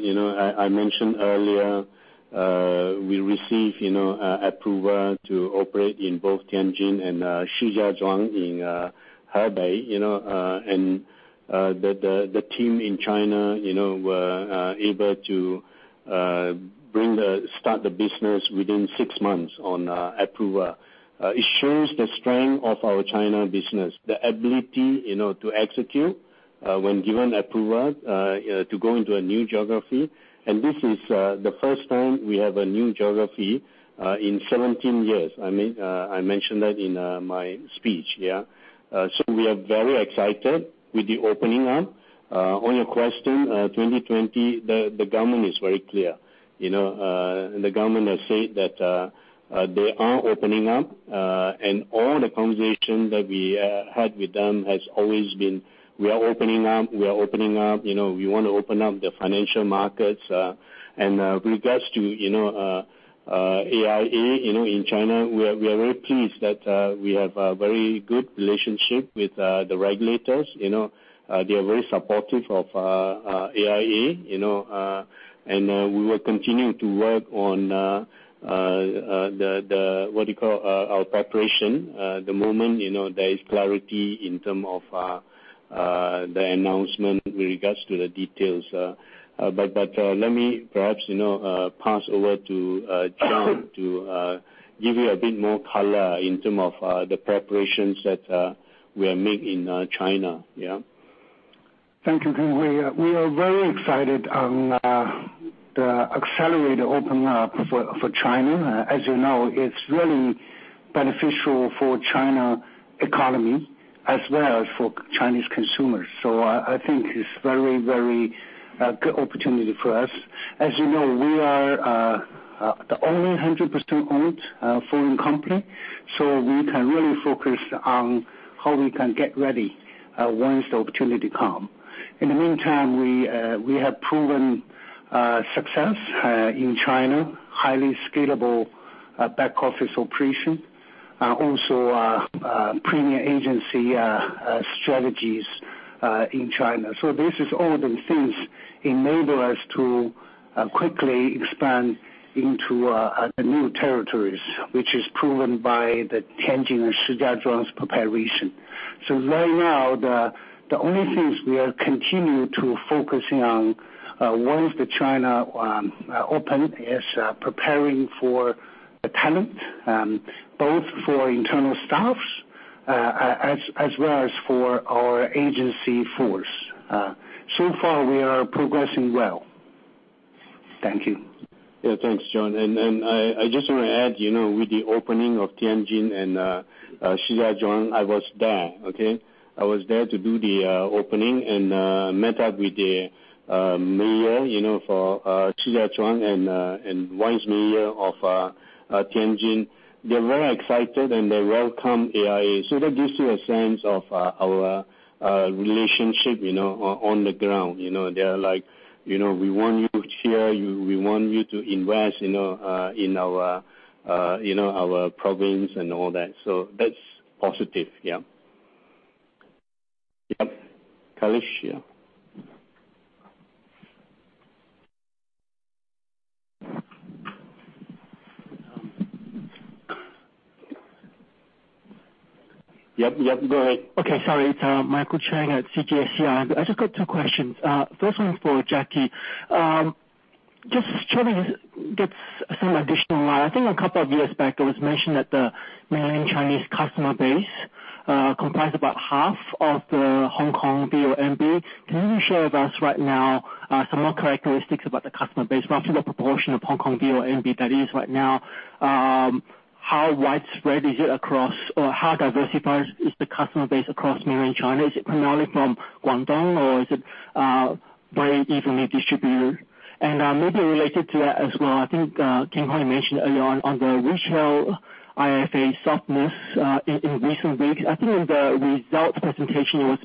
I mentioned earlier, we received approval to operate in both Tianjin and Shijiazhuang in Hebei. The team in China were able to start the business within six months on approval. It shows the strength of our China business, the ability to execute when given approval to go into a new geography. This is the first time we have a new geography in 17 years. I mentioned that in my speech, yeah. We are very excited with the opening up. On your question, 2020, the government is very clear. The government has said that they are opening up, and all the conversation that we had with them has always been, "We are opening up. We want to open up the financial markets." With regards to AIA in China, we are very pleased that we have a very good relationship with the regulators. They are very supportive of AIA. We will continue to work on the, what do you call, our preparation the moment there is clarity in term of the announcement with regards to the details. Let me perhaps pass over to John to give you a bit more color in term of the preparations that we are making in China, yeah. Thank you, Keng Hooi. We are very excited on the accelerated opening up for China. As you know, it's really beneficial for China economy as well as for Chinese consumers. I think it's very good opportunity for us. As you know, we are the only 100% owned foreign company, we can really focus on how we can get ready once the opportunity come. In the meantime, we have proven success in China, highly scalable back office operation. Also, premier agency strategies in China. This is all the things enable us to quickly expand into the new territories, which is proven by the Tianjin and Shijiazhuang's preparation. Right now, the only things we are continuing to focusing on once the China open is preparing for. Talent, both for internal staffs as well as for our agency force. So far, we are progressing well. Thank you. Yeah. Thanks, John. I just want to add, with the opening of Tianjin and Shijiazhuang, I was there. Okay? I was there to do the opening and met up with the mayor for Shijiazhuang and vice mayor of Tianjin. They're very excited, and they welcome AIA. That gives you a sense of our relationship on the ground. They're like, "We want you here. We want you to invest in our province," and all that. That's positive, yeah. Yep. Kailesh, yeah. Yep. Go ahead. Okay. Sorry. It's Michael Cheng at CICC. I just got two questions. First one for Jacky. Just trying to get some additional light. I think a couple of years back, it was mentioned that the mainland Chinese customer base, comprised about half of the Hong Kong VONB. Can you share with us right now some more characteristics about the customer base, perhaps the proportion of Hong Kong VONB that is right now? How widespread is it across, or how diversified is the customer base across mainland China? Is it primarily from Guangdong, or is it very evenly distributed? Maybe related to that as well, I think Keng Hooi mentioned earlier on the retail IFA softness in recent weeks. I think in the results presentation, it was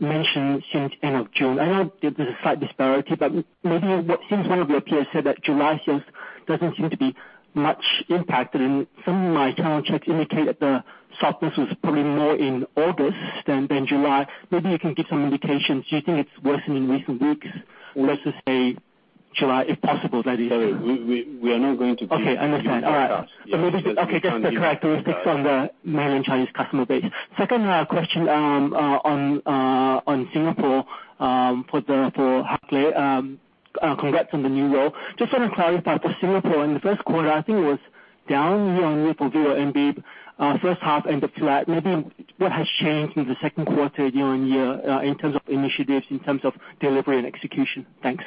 mentioned since end of June. I know there's a slight disparity, but maybe what seems one of your peers said that July sales doesn't seem to be much impacted, and some of my channel checks indicate that the softness was probably more in August than July. Maybe you can give some indications. Do you think it's worsened in recent weeks, or let's just say July, if possible, that is. Sorry. We are not going to. Okay. I understand. All right. Yes. Okay. Just the characteristics on the mainland Chinese customer base. Second question, on Singapore, for Hak Leh. Congrats on the new role. Just want to clarify for Singapore. In the first quarter, I think it was down year-on-year for VONB. First half ended flat. Maybe what has changed in the second quarter year-on-year in terms of initiatives, in terms of delivery and execution? Thanks.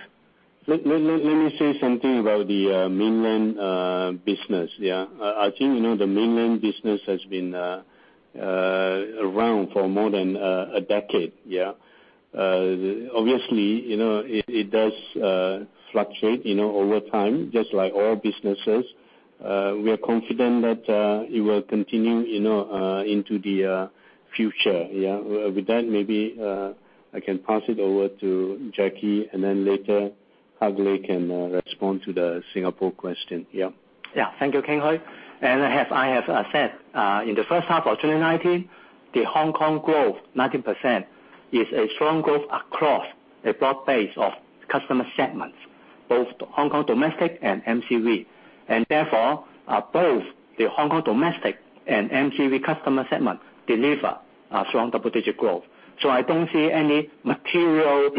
Let me say something about the mainland business. I think, the mainland business has been around for more than a decade. Obviously, it does fluctuate over time, just like all businesses. We are confident that it will continue into the future. With that, maybe I can pass it over to Jacky, and then later Hak Leh can respond to the Singapore question. Yeah. Thank you, Keng Hooi. As I have said, in the first half of 2019, the Hong Kong growth, 19%, is a strong growth across a broad base of customer segments, both Hong Kong domestic and MCV. Therefore, both the Hong Kong domestic and MCV customer segment deliver a strong double-digit growth. I don't see any material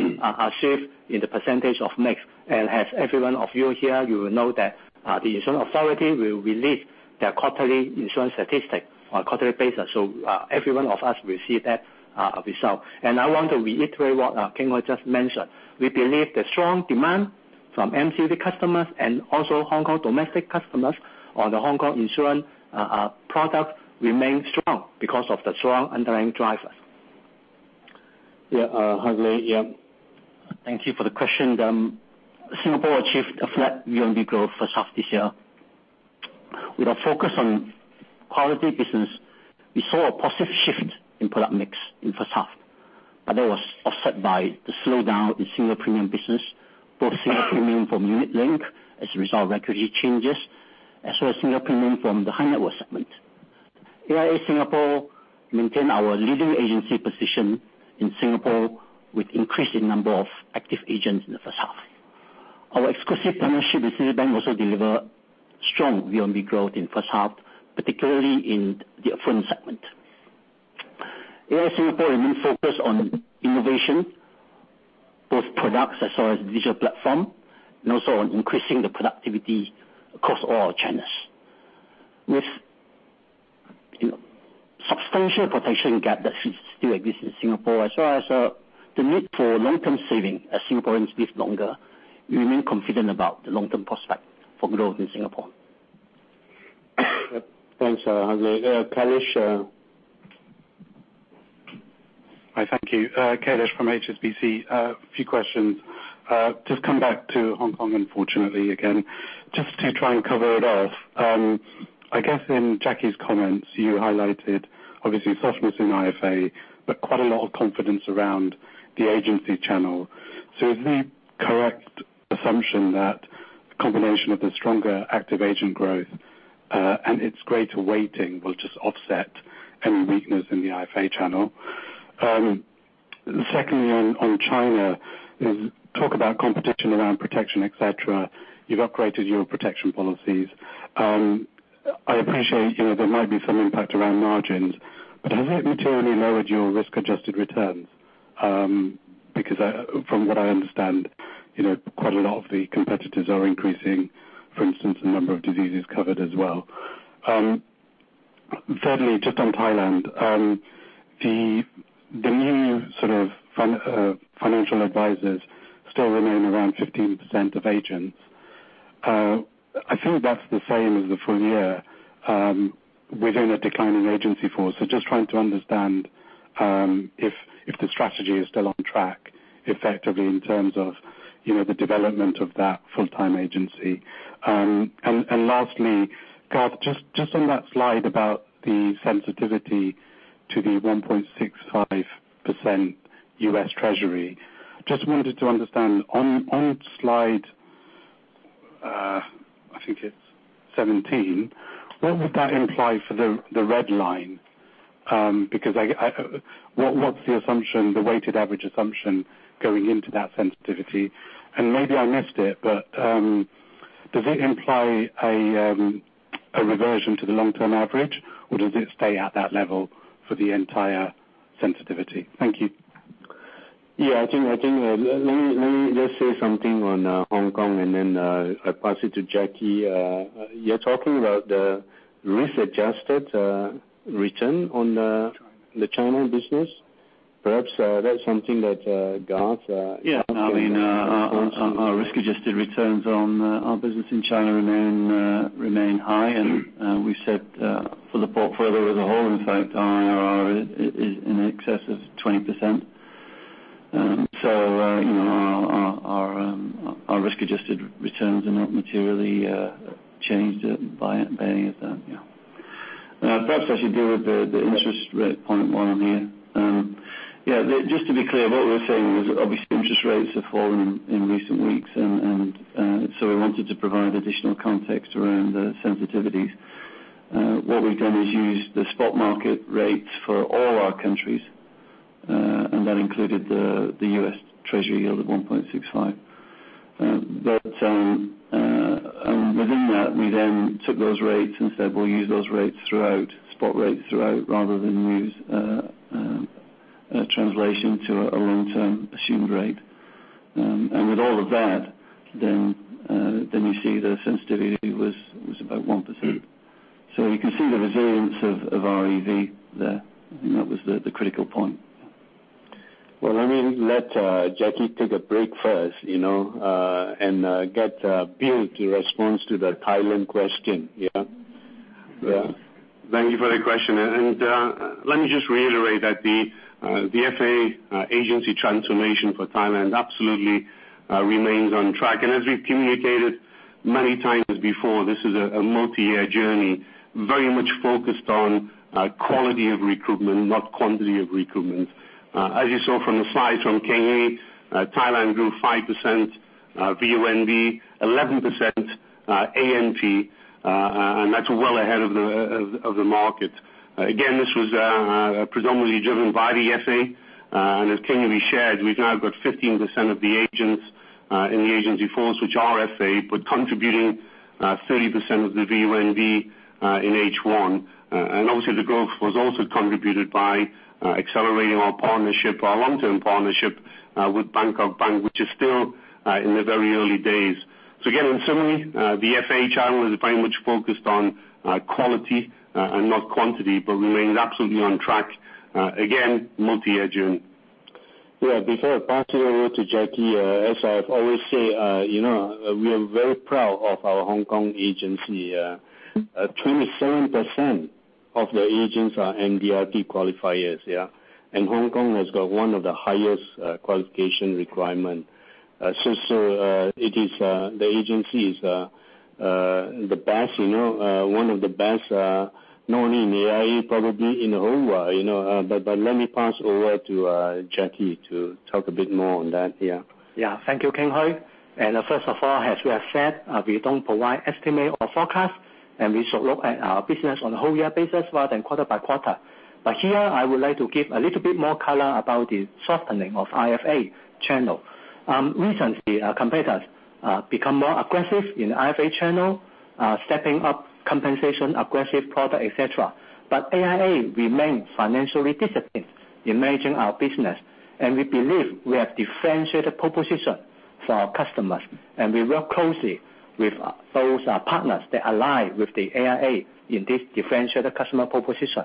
shift in the percentage of mix. As every one of you here, you will know that the Insurance Authority will release their quarterly insurance statistic on a quarterly basis. Every one of us will see that result. I want to reiterate what Keng Hooi just mentioned. We believe the strong demand from MCV customers and also Hong Kong domestic customers on the Hong Kong insurance products remain strong because of the strong underlying drivers. Yeah. Hak Leh. Yeah. Thank you for the question. Singapore achieved a flat VONB growth first half this year. With a focus on quality business, we saw a positive shift in product mix in first half, that was offset by the slowdown in single premium business, both single premium from unit link as a result of regulatory changes, as well as single premium from the high net worth segment. AIA Singapore maintain our leading agency position in Singapore with increase in number of active agents in the first half. Our exclusive partnership with Citibank also deliver strong VONB growth in first half, particularly in the affluent segment. AIA Singapore remain focused on innovation, both products as well as digital platform, also on increasing the productivity across all our channels. With substantial protection gap that still exists in Singapore, as well as the need for long-term saving as Singaporeans live longer, we remain confident about the long-term prospect for growth in Singapore. Thanks, Hak Leh. Kailesh? Hi. Thank you. Kailesh from HSBC. Few questions. Just come back to Hong Kong, unfortunately, again, just to try and cover it off. I guess in Jacky's comments, you highlighted obviously softness in IFA, quite a lot of confidence around the agency channel. Is the correct assumption that combination of the stronger active agent growth, and its greater weighting will just offset any weakness in the IFA channel? On China, there's talk about competition around protection, et cetera. You've upgraded your protection policies. I appreciate there might be some impact around margins, has it materially lowered your risk-adjusted returns? From what I understand, quite a lot of the competitors are increasing, for instance, the number of diseases covered as well. On Thailand. The new sort of financial advisors still remain around 15% of agents. I think that's the same as the full year within a declining agency force. Just trying to understand if the strategy is still on track effectively in terms of the development of that full-time agency. Lastly, Garth, just on that slide about the sensitivity to the 1.65% U.S. Treasury, just wanted to understand on slide 17, what would that imply for the red line? Because what's the weighted average assumption going into that sensitivity? Maybe I missed it, but does it imply a reversion to the long-term average, or does it stay at that level for the entire sensitivity? Thank you. Yeah. I think, let me just say something on Hong Kong and then, I'll pass it to Jacky. You are talking about the risk-adjusted return on the China business. Perhaps, that is something that, Garth. Yeah. I mean, our risk-adjusted returns on our business in China remain high. We said, for the portfolio as a whole, in fact, our IRR is in excess of 20%. Our risk-adjusted returns are not materially changed by any of that. Yeah. Perhaps I should deal with the interest rate point while I'm here. Yeah, just to be clear, what we were saying was, obviously, interest rates have fallen in recent weeks and so we wanted to provide additional context around the sensitivities. What we've done is used the spot market rates for all our countries, and that included the U.S. Treasury yield of 1.65%. Within that, we then took those rates and said we'll use those spot rates throughout, rather than use a translation to a long-term assumed rate. With all of that, then you see the sensitivity was about 1%. You can see the resilience of EV there, and that was the critical point. Well, let me let Jacky take a break first, and get Bill to respond to the Thailand question. Yeah? Thank you for the question. Let me just reiterate that the FA agency transformation for Thailand absolutely remains on track. As we've communicated many times before, this is a multi-year journey, very much focused on quality of recruitment, not quantity of recruitment. As you saw from the slides from Keng Hooi, Thailand grew 5% VUNB, 11% ANP, that's well ahead of the market. Again, this was predominantly driven by the FA. As Keng Hooi shared, we've now got 15% of the agents in the agency force, which are FA, but contributing 30% of the VUNB in H1. Obviously, the growth was also contributed by accelerating our long-term partnership with Bangkok Bank, which is still in the very early days. In summary, the FA channel is very much focused on quality and not quantity, but remains absolutely on track. Again, multi-year journey. Yeah. Before I pass it over to Jacky, as I've always say, we are very proud of our Hong Kong agency. 27% of the agents are MDRT qualifiers, yeah. Hong Kong has got one of the highest qualification requirement. The agency is one of the best, not only in AIA, probably in the whole world. Let me pass over to Jacky to talk a bit more on that. Yeah. Yeah. Thank you, Keng Hooi. First of all, as we have said, we don't provide estimate or forecast, and we should look at our business on a whole year basis rather than quarter by quarter. Here, I would like to give a little bit more color about the softening of IFA channel. Recently, our competitors become more aggressive in the IFA channel, stepping up compensation, aggressive product, et cetera. AIA remains financially disciplined in managing our business, and we believe we have differentiated proposition for our customers, and we work closely with those partners that align with the AIA in this differentiated customer proposition.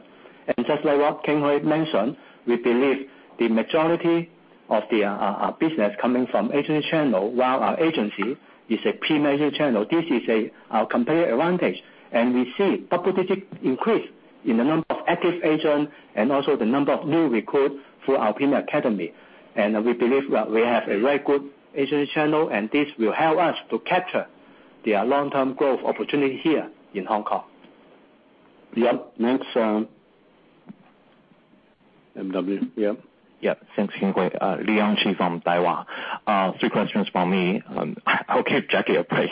Just like what Keng Hooi mentioned, we believe the majority of the business coming from agency channel, while our agency is a key major channel. This is our competitive advantage. We see double digit increase in the number of active agent and also the number of new recruits through our Premier Academy. We believe we have a very good agency channel, and this will help us to capture the long-term growth opportunity here in Hong Kong. Yep. Next, MW. Yep. Yep. Thanks, Keng Hooi. Leon Qi from Daiwa. Three questions from me. I'll give Jacky a break.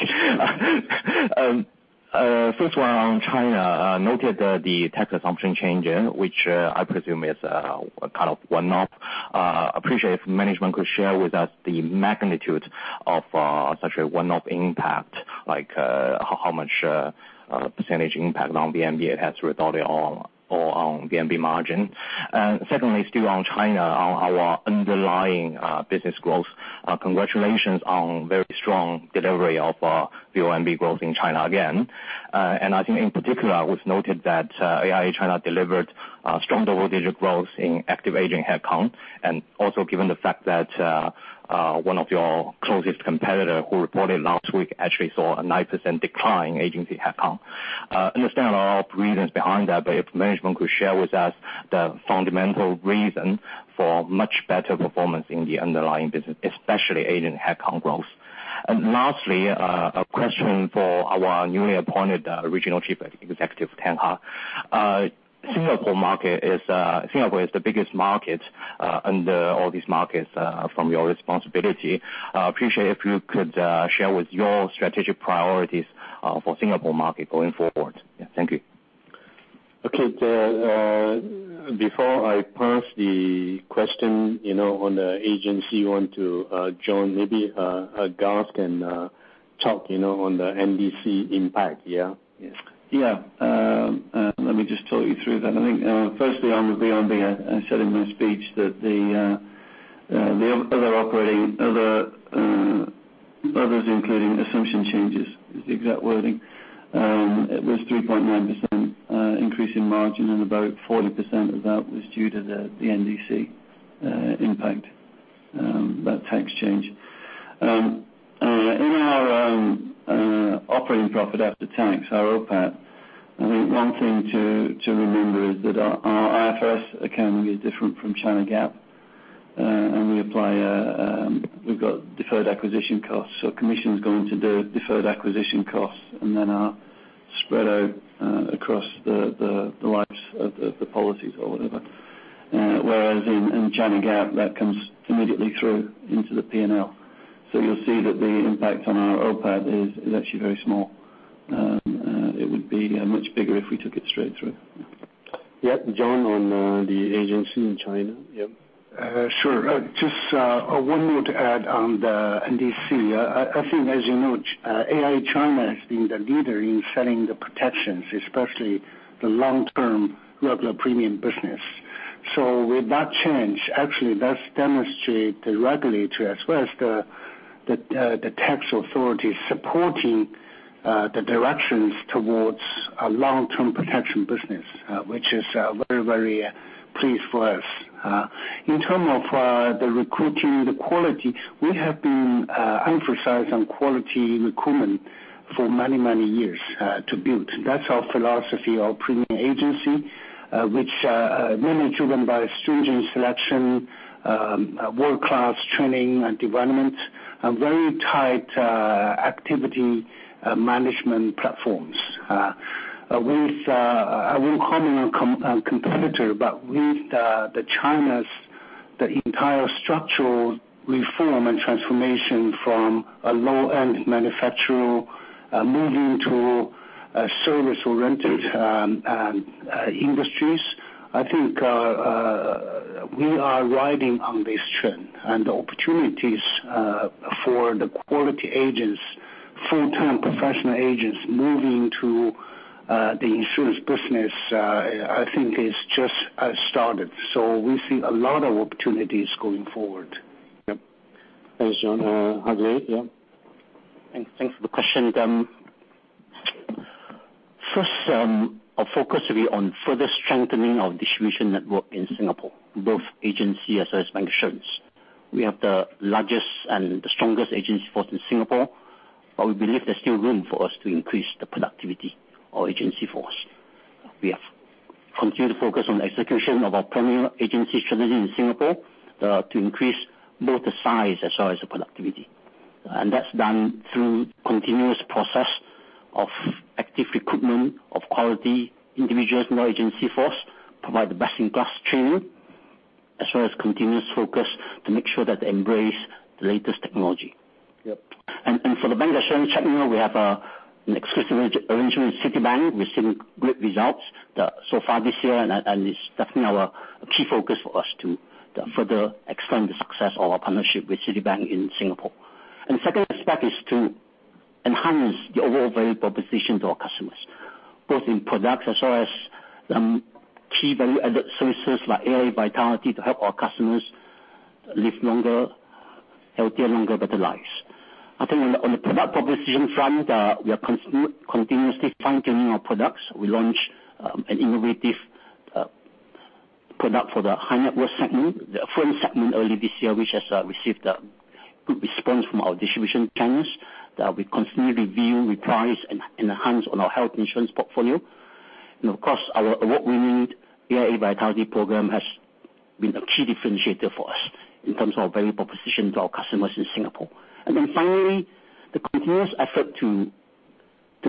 First one on China. Noted the tax assumption change, which I presume is a one-off. Appreciate if management could share with us the magnitude of such a one-off impact, like how much percentage impact on the MBA as a result at all, or on VNB margin. Secondly, still on China, on our underlying business growth. Congratulations on very strong delivery of the VONB growth in China again. I think in particular was noted that AIA China delivered strong double-digit growth in active agent headcount, also given the fact that one of your closest competitor who reported last week actually saw a 9% decline in agency headcount. Understand all reasons behind that, if management could share with us the fundamental reason for much better performance in the underlying business, especially agent headcount growth. Lastly, a question for our newly appointed Regional Chief Executive, Ken Hooi. Singapore is the biggest market under all these markets from your responsibility. Appreciate if you could share with your strategic priorities for Singapore market going forward. Yeah. Thank you. Okay. Before I pass the question on the agency one to John, maybe Garth can talk on the NDC impact. Yeah? Yes. Let me just talk you through that. I think, firstly on the VNB, I said in my speech that the others including assumption changes, is the exact wording. It was 3.9% increase in margin, and about 40% of that was due to the NDC impact, that tax change. In our operating profit after tax, our OPAT, I think one thing to remember is that our IFRS accounting is different from China GAAP, and we've got deferred acquisition costs. Commission's going to do deferred acquisition costs and then are spread out across the lives of the policies or whatever. Whereas in China GAAP, that comes immediately through into the P&L. You'll see that the impact on our OPAT is actually very small. It would be much bigger if we took it straight through. Yeah. John, on the agency in China. Yeah. Sure. Just one more to add on the NDC. I think, as you know, AIA China has been the leader in selling the protections, especially the long-term regular premium business. With that change, actually that demonstrate directly to us first, that the tax authority supporting the directions towards a long-term protection business, which is very, very pleased for us. In terms of the recruiting, the quality, we have been emphasized on quality recruitment for many, many years to build. That's our philosophy, our premium agency, which mainly driven by stringent selection, world-class training and development, and very tight activity management platforms. I won't call them a competitor, but with the China's entire structural reform and transformation from a low-end manufacturer moving to service-oriented industries, I think we are riding on this trend. The opportunities for the quality agents, full-time professional agents moving to the insurance business, I think is just started. We see a lot of opportunities going forward. Yep. Thanks, John. Adrian? Yeah. Thanks for the question. First, our focus will be on further strengthening our distribution network in Singapore, both agency as well as bank insurance. We have the largest and the strongest agency force in Singapore. We believe there's still room for us to increase the productivity of agency force. We have continued to focus on execution of our Premier agency strategy in Singapore to increase both the size as well as the productivity. That's done through continuous process of active recruitment of quality individuals in our agency force, provide the best in class training, as well as continuous focus to make sure that they embrace the latest technology. Yep. For the bank insurance segment, we have an exclusive arrangement with Citibank. We're seeing great results so far this year, and it's definitely a key focus for us to further extend the success of our partnership with Citibank in Singapore. Second aspect is to enhance the overall value proposition to our customers, both in products as well as key value-added services like AIA Vitality to help our customers live longer, healthier, better lives. I think on the product proposition front, we are continuously fine-tuning our products. We launched an innovative product for the high-net-worth segment, the affluent segment early this year, which has received a good response from our distribution channels that we constantly review, reprice, and enhance on our health insurance portfolio. Of course, our award-winning AIA Vitality program has been a key differentiator for us in terms of value proposition to our customers in Singapore. Finally, the continuous effort to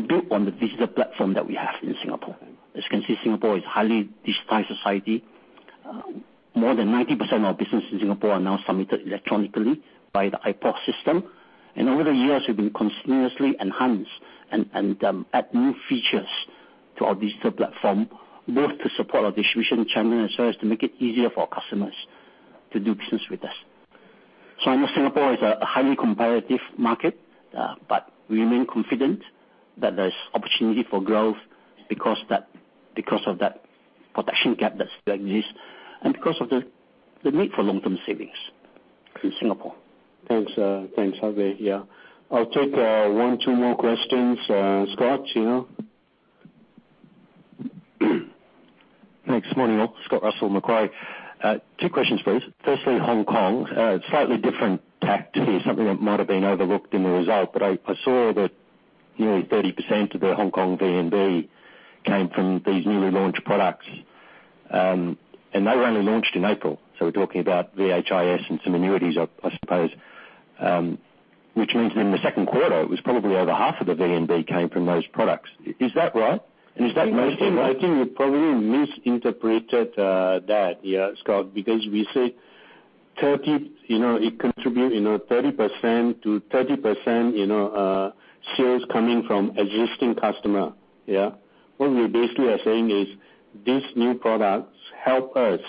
build on the digital platform that we have in Singapore. As you can see, Singapore is a highly digitized society. More than 90% of our business in Singapore are now submitted electronically by the IPO system. Over the years, we've been continuously enhanced and add new features to our digital platform, both to support our distribution channel, as well as to make it easier for our customers to do business with us. I know Singapore is a highly competitive market, but we remain confident that there's opportunity for growth because of that protection gap that still exists and because of the need for long-term savings in Singapore. Thanks. Thanks, Hak Leh. Yeah. I'll take one, two more questions. Scott, you. Thanks. Morning all, Scott Russell, Macquarie. 2 questions, please. Firstly, Hong Kong. Slightly different tact here. Something that might have been overlooked in the result, but I saw that nearly 30% of the Hong Kong VNB came from these newly launched products. They were only launched in April, so we're talking about VHIS and some annuities, I suppose. Which means in the second quarter, it was probably over half of the VNB came from those products. Is that right? Is that- I think you probably misinterpreted that, yeah, Scott. We say it contribute 30% to 30% sales coming from existing customer. Yeah. What we basically are saying is these new products help us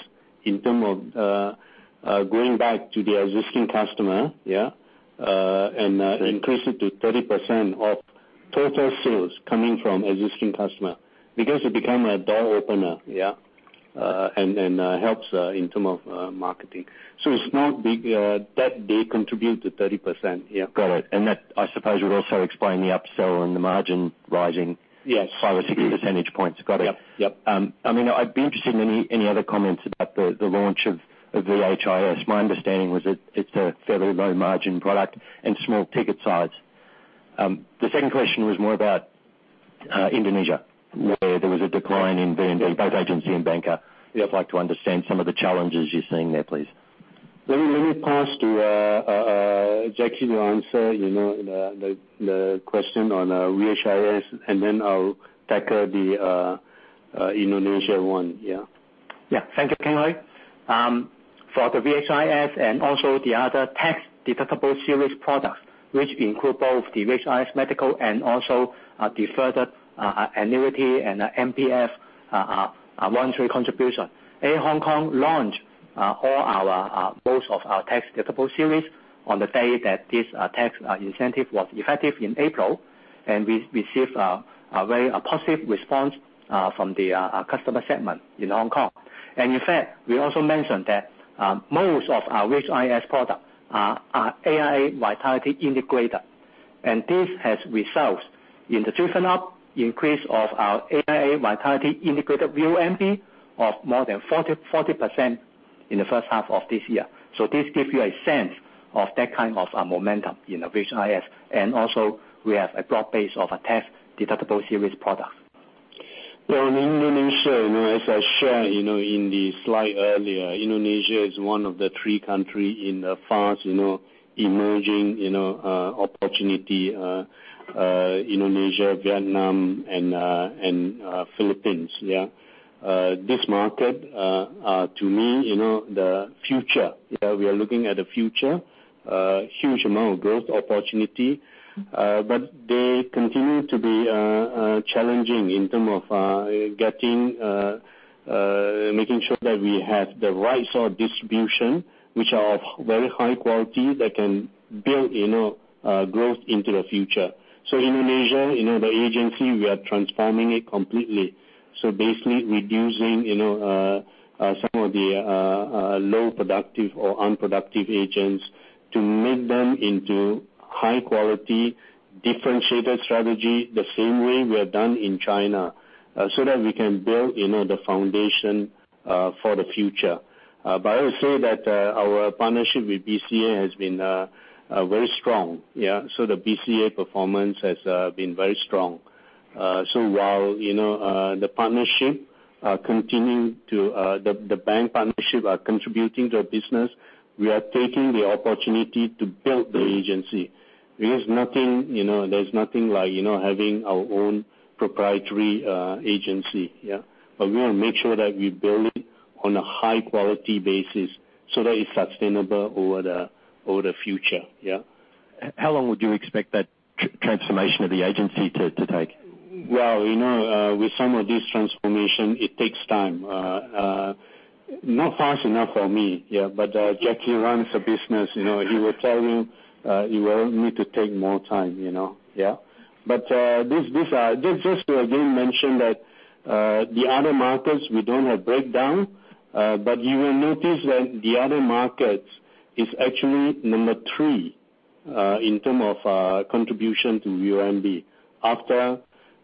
in term of going back to the existing customer, yeah, and increase it to 30% of total sales coming from existing customer. It become a door opener, yeah, and helps in term of marketing. It's not big that they contribute to 30%. Yeah. Got it. That, I suppose, would also explain the upsell and the margin rising. Yes. five or six percentage points. Got it. Yep. I'd be interested in any other comments about the launch of VHIS. My understanding was that it's a fairly low margin product and small ticket size. The second question was more about Indonesia, where there was a decline in VNB, both agency and banker. I'd like to understand some of the challenges you're seeing there, please. Let me pass to Jacky to answer the question on VHIS, and then I'll tackle the Indonesia one. Yeah. Thank you, Keng Hooi. For the VHIS and also the other tax-deductible series products, which include both the VHIS medical and also deferred annuity and MPF voluntary contribution. AIA Hong Kong launch most of our tax-deductible series on the day that this tax incentive was effective in April. We received a very positive response from the customer segment in Hong Kong. In fact, we also mentioned that most of our VHIS product are AIA Vitality integrated. This has results in the driven up increase of our AIA Vitality integrated VUNB of more than 40% in the first half of this year. This gives you a sense of that kind of momentum in the VHIS. Also we have a broad base of a tax-deductible series product. Yeah. On Indonesia, as I shared in the slide earlier, Indonesia is one of the three country in the fast emerging opportunity, Indonesia, Vietnam and Philippines. Yeah. This market, to me, the future. Yeah, we are looking at the future. Huge amount of growth opportunity. They continue to be challenging in terms of making sure that we have the right sort of distribution, which are of very high quality that can build growth into the future. Indonesia, the agency, we are transforming it completely. Basically reducing some of the low productive or unproductive agents to make them into high quality, differentiated strategy, the same way we have done in China. That we can build the foundation for the future. I will say that our partnership with BCA has been very strong. Yeah. The BCA performance has been very strong. While the bank partnership are contributing to our business, we are taking the opportunity to build the agency. There's nothing like having our own proprietary agency. Yeah. We want to make sure that we build it on a high-quality basis so that it's sustainable over the future. Yeah. How long would you expect that transformation of the agency to take? Well, with some of this transformation, it takes time. Not fast enough for me. Yeah. Jacky runs the business. He will tell you, he will need to take more time. Yeah. This just to again mention that, the other markets, we don't have breakdown. You will notice that the other markets is actually number three, in term of contribution to VONB. After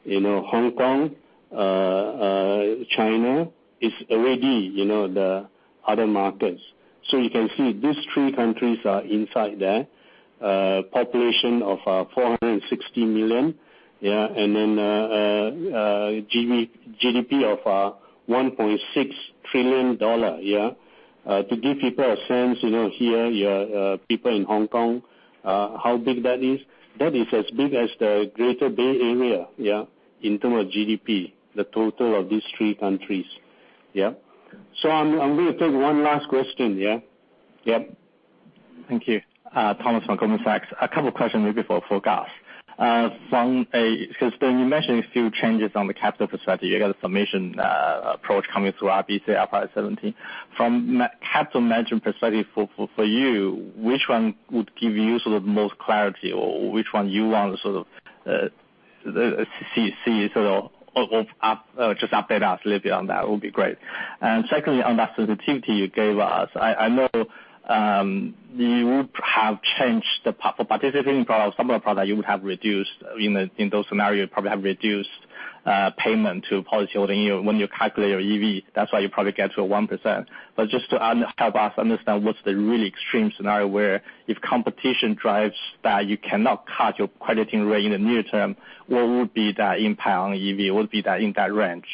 Hong Kong, China is already the other markets. You can see these three countries are inside there. Population of 460 million. Yeah. GDP of $1.6 trillion. Yeah. To give people a sense here, people in Hong Kong, how big that is. That is as big as the Greater Bay Area in terms of GDP, the total of these three countries. I'm going to take one last question. Thank you. Thomas from Goldman Sachs. A couple questions maybe for Garth. Since Keng, you mentioned a few changes on the capital perspective, you got a summation approach coming through RBC IFRS 17. From a capital management perspective for you, which one would give you sort of most clarity or which one you want to sort of see sort of just update us a little bit on that would be great. Secondly, on that sensitivity you gave us, I know you would have changed the participating product, some of the product you would have reduced in those scenarios, probably have reduced payment to policyholder when you calculate your EV. That's why you probably get to a 1%. Just to help us understand what's the really extreme scenario where if competition drives that you cannot cut your crediting rate in the near term, what would be that impact on EV? What would be that in that range?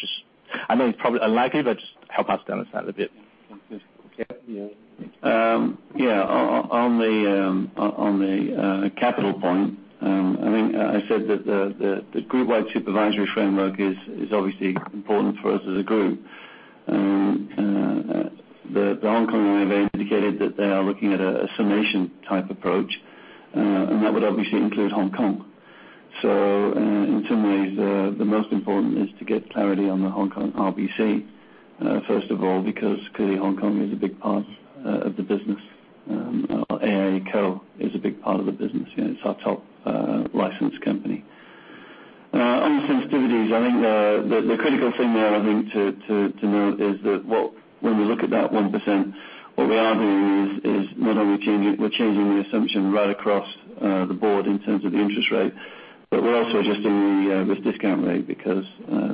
I know it's probably unlikely, but just help us to understand a bit. On the capital point, I said that the group wide supervisory framework is obviously important for us as a group. The Hong Kong Insurance Authority indicated that they are looking at a summation type approach, that would obviously include Hong Kong. In some ways, the most important is to get clarity on the Hong Kong RBC, first of all, because clearly Hong Kong is a big part of the business. AIA Co. is a big part of the business. It's our top licensed company. On the sensitivities, I think the critical thing there, I think to note is that when we look at that 1%, what we are doing is not only we're changing the assumption right across the board in terms of the interest rate, we're also adjusting the risk discount rate because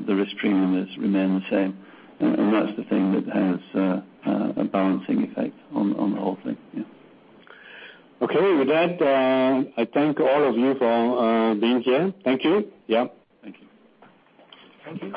the risk premium has remained the same. That's the thing that has a balancing effect on the whole thing. Okay. With that, I thank all of you for being here. Thank you. Yeah. Thank you. Thank you.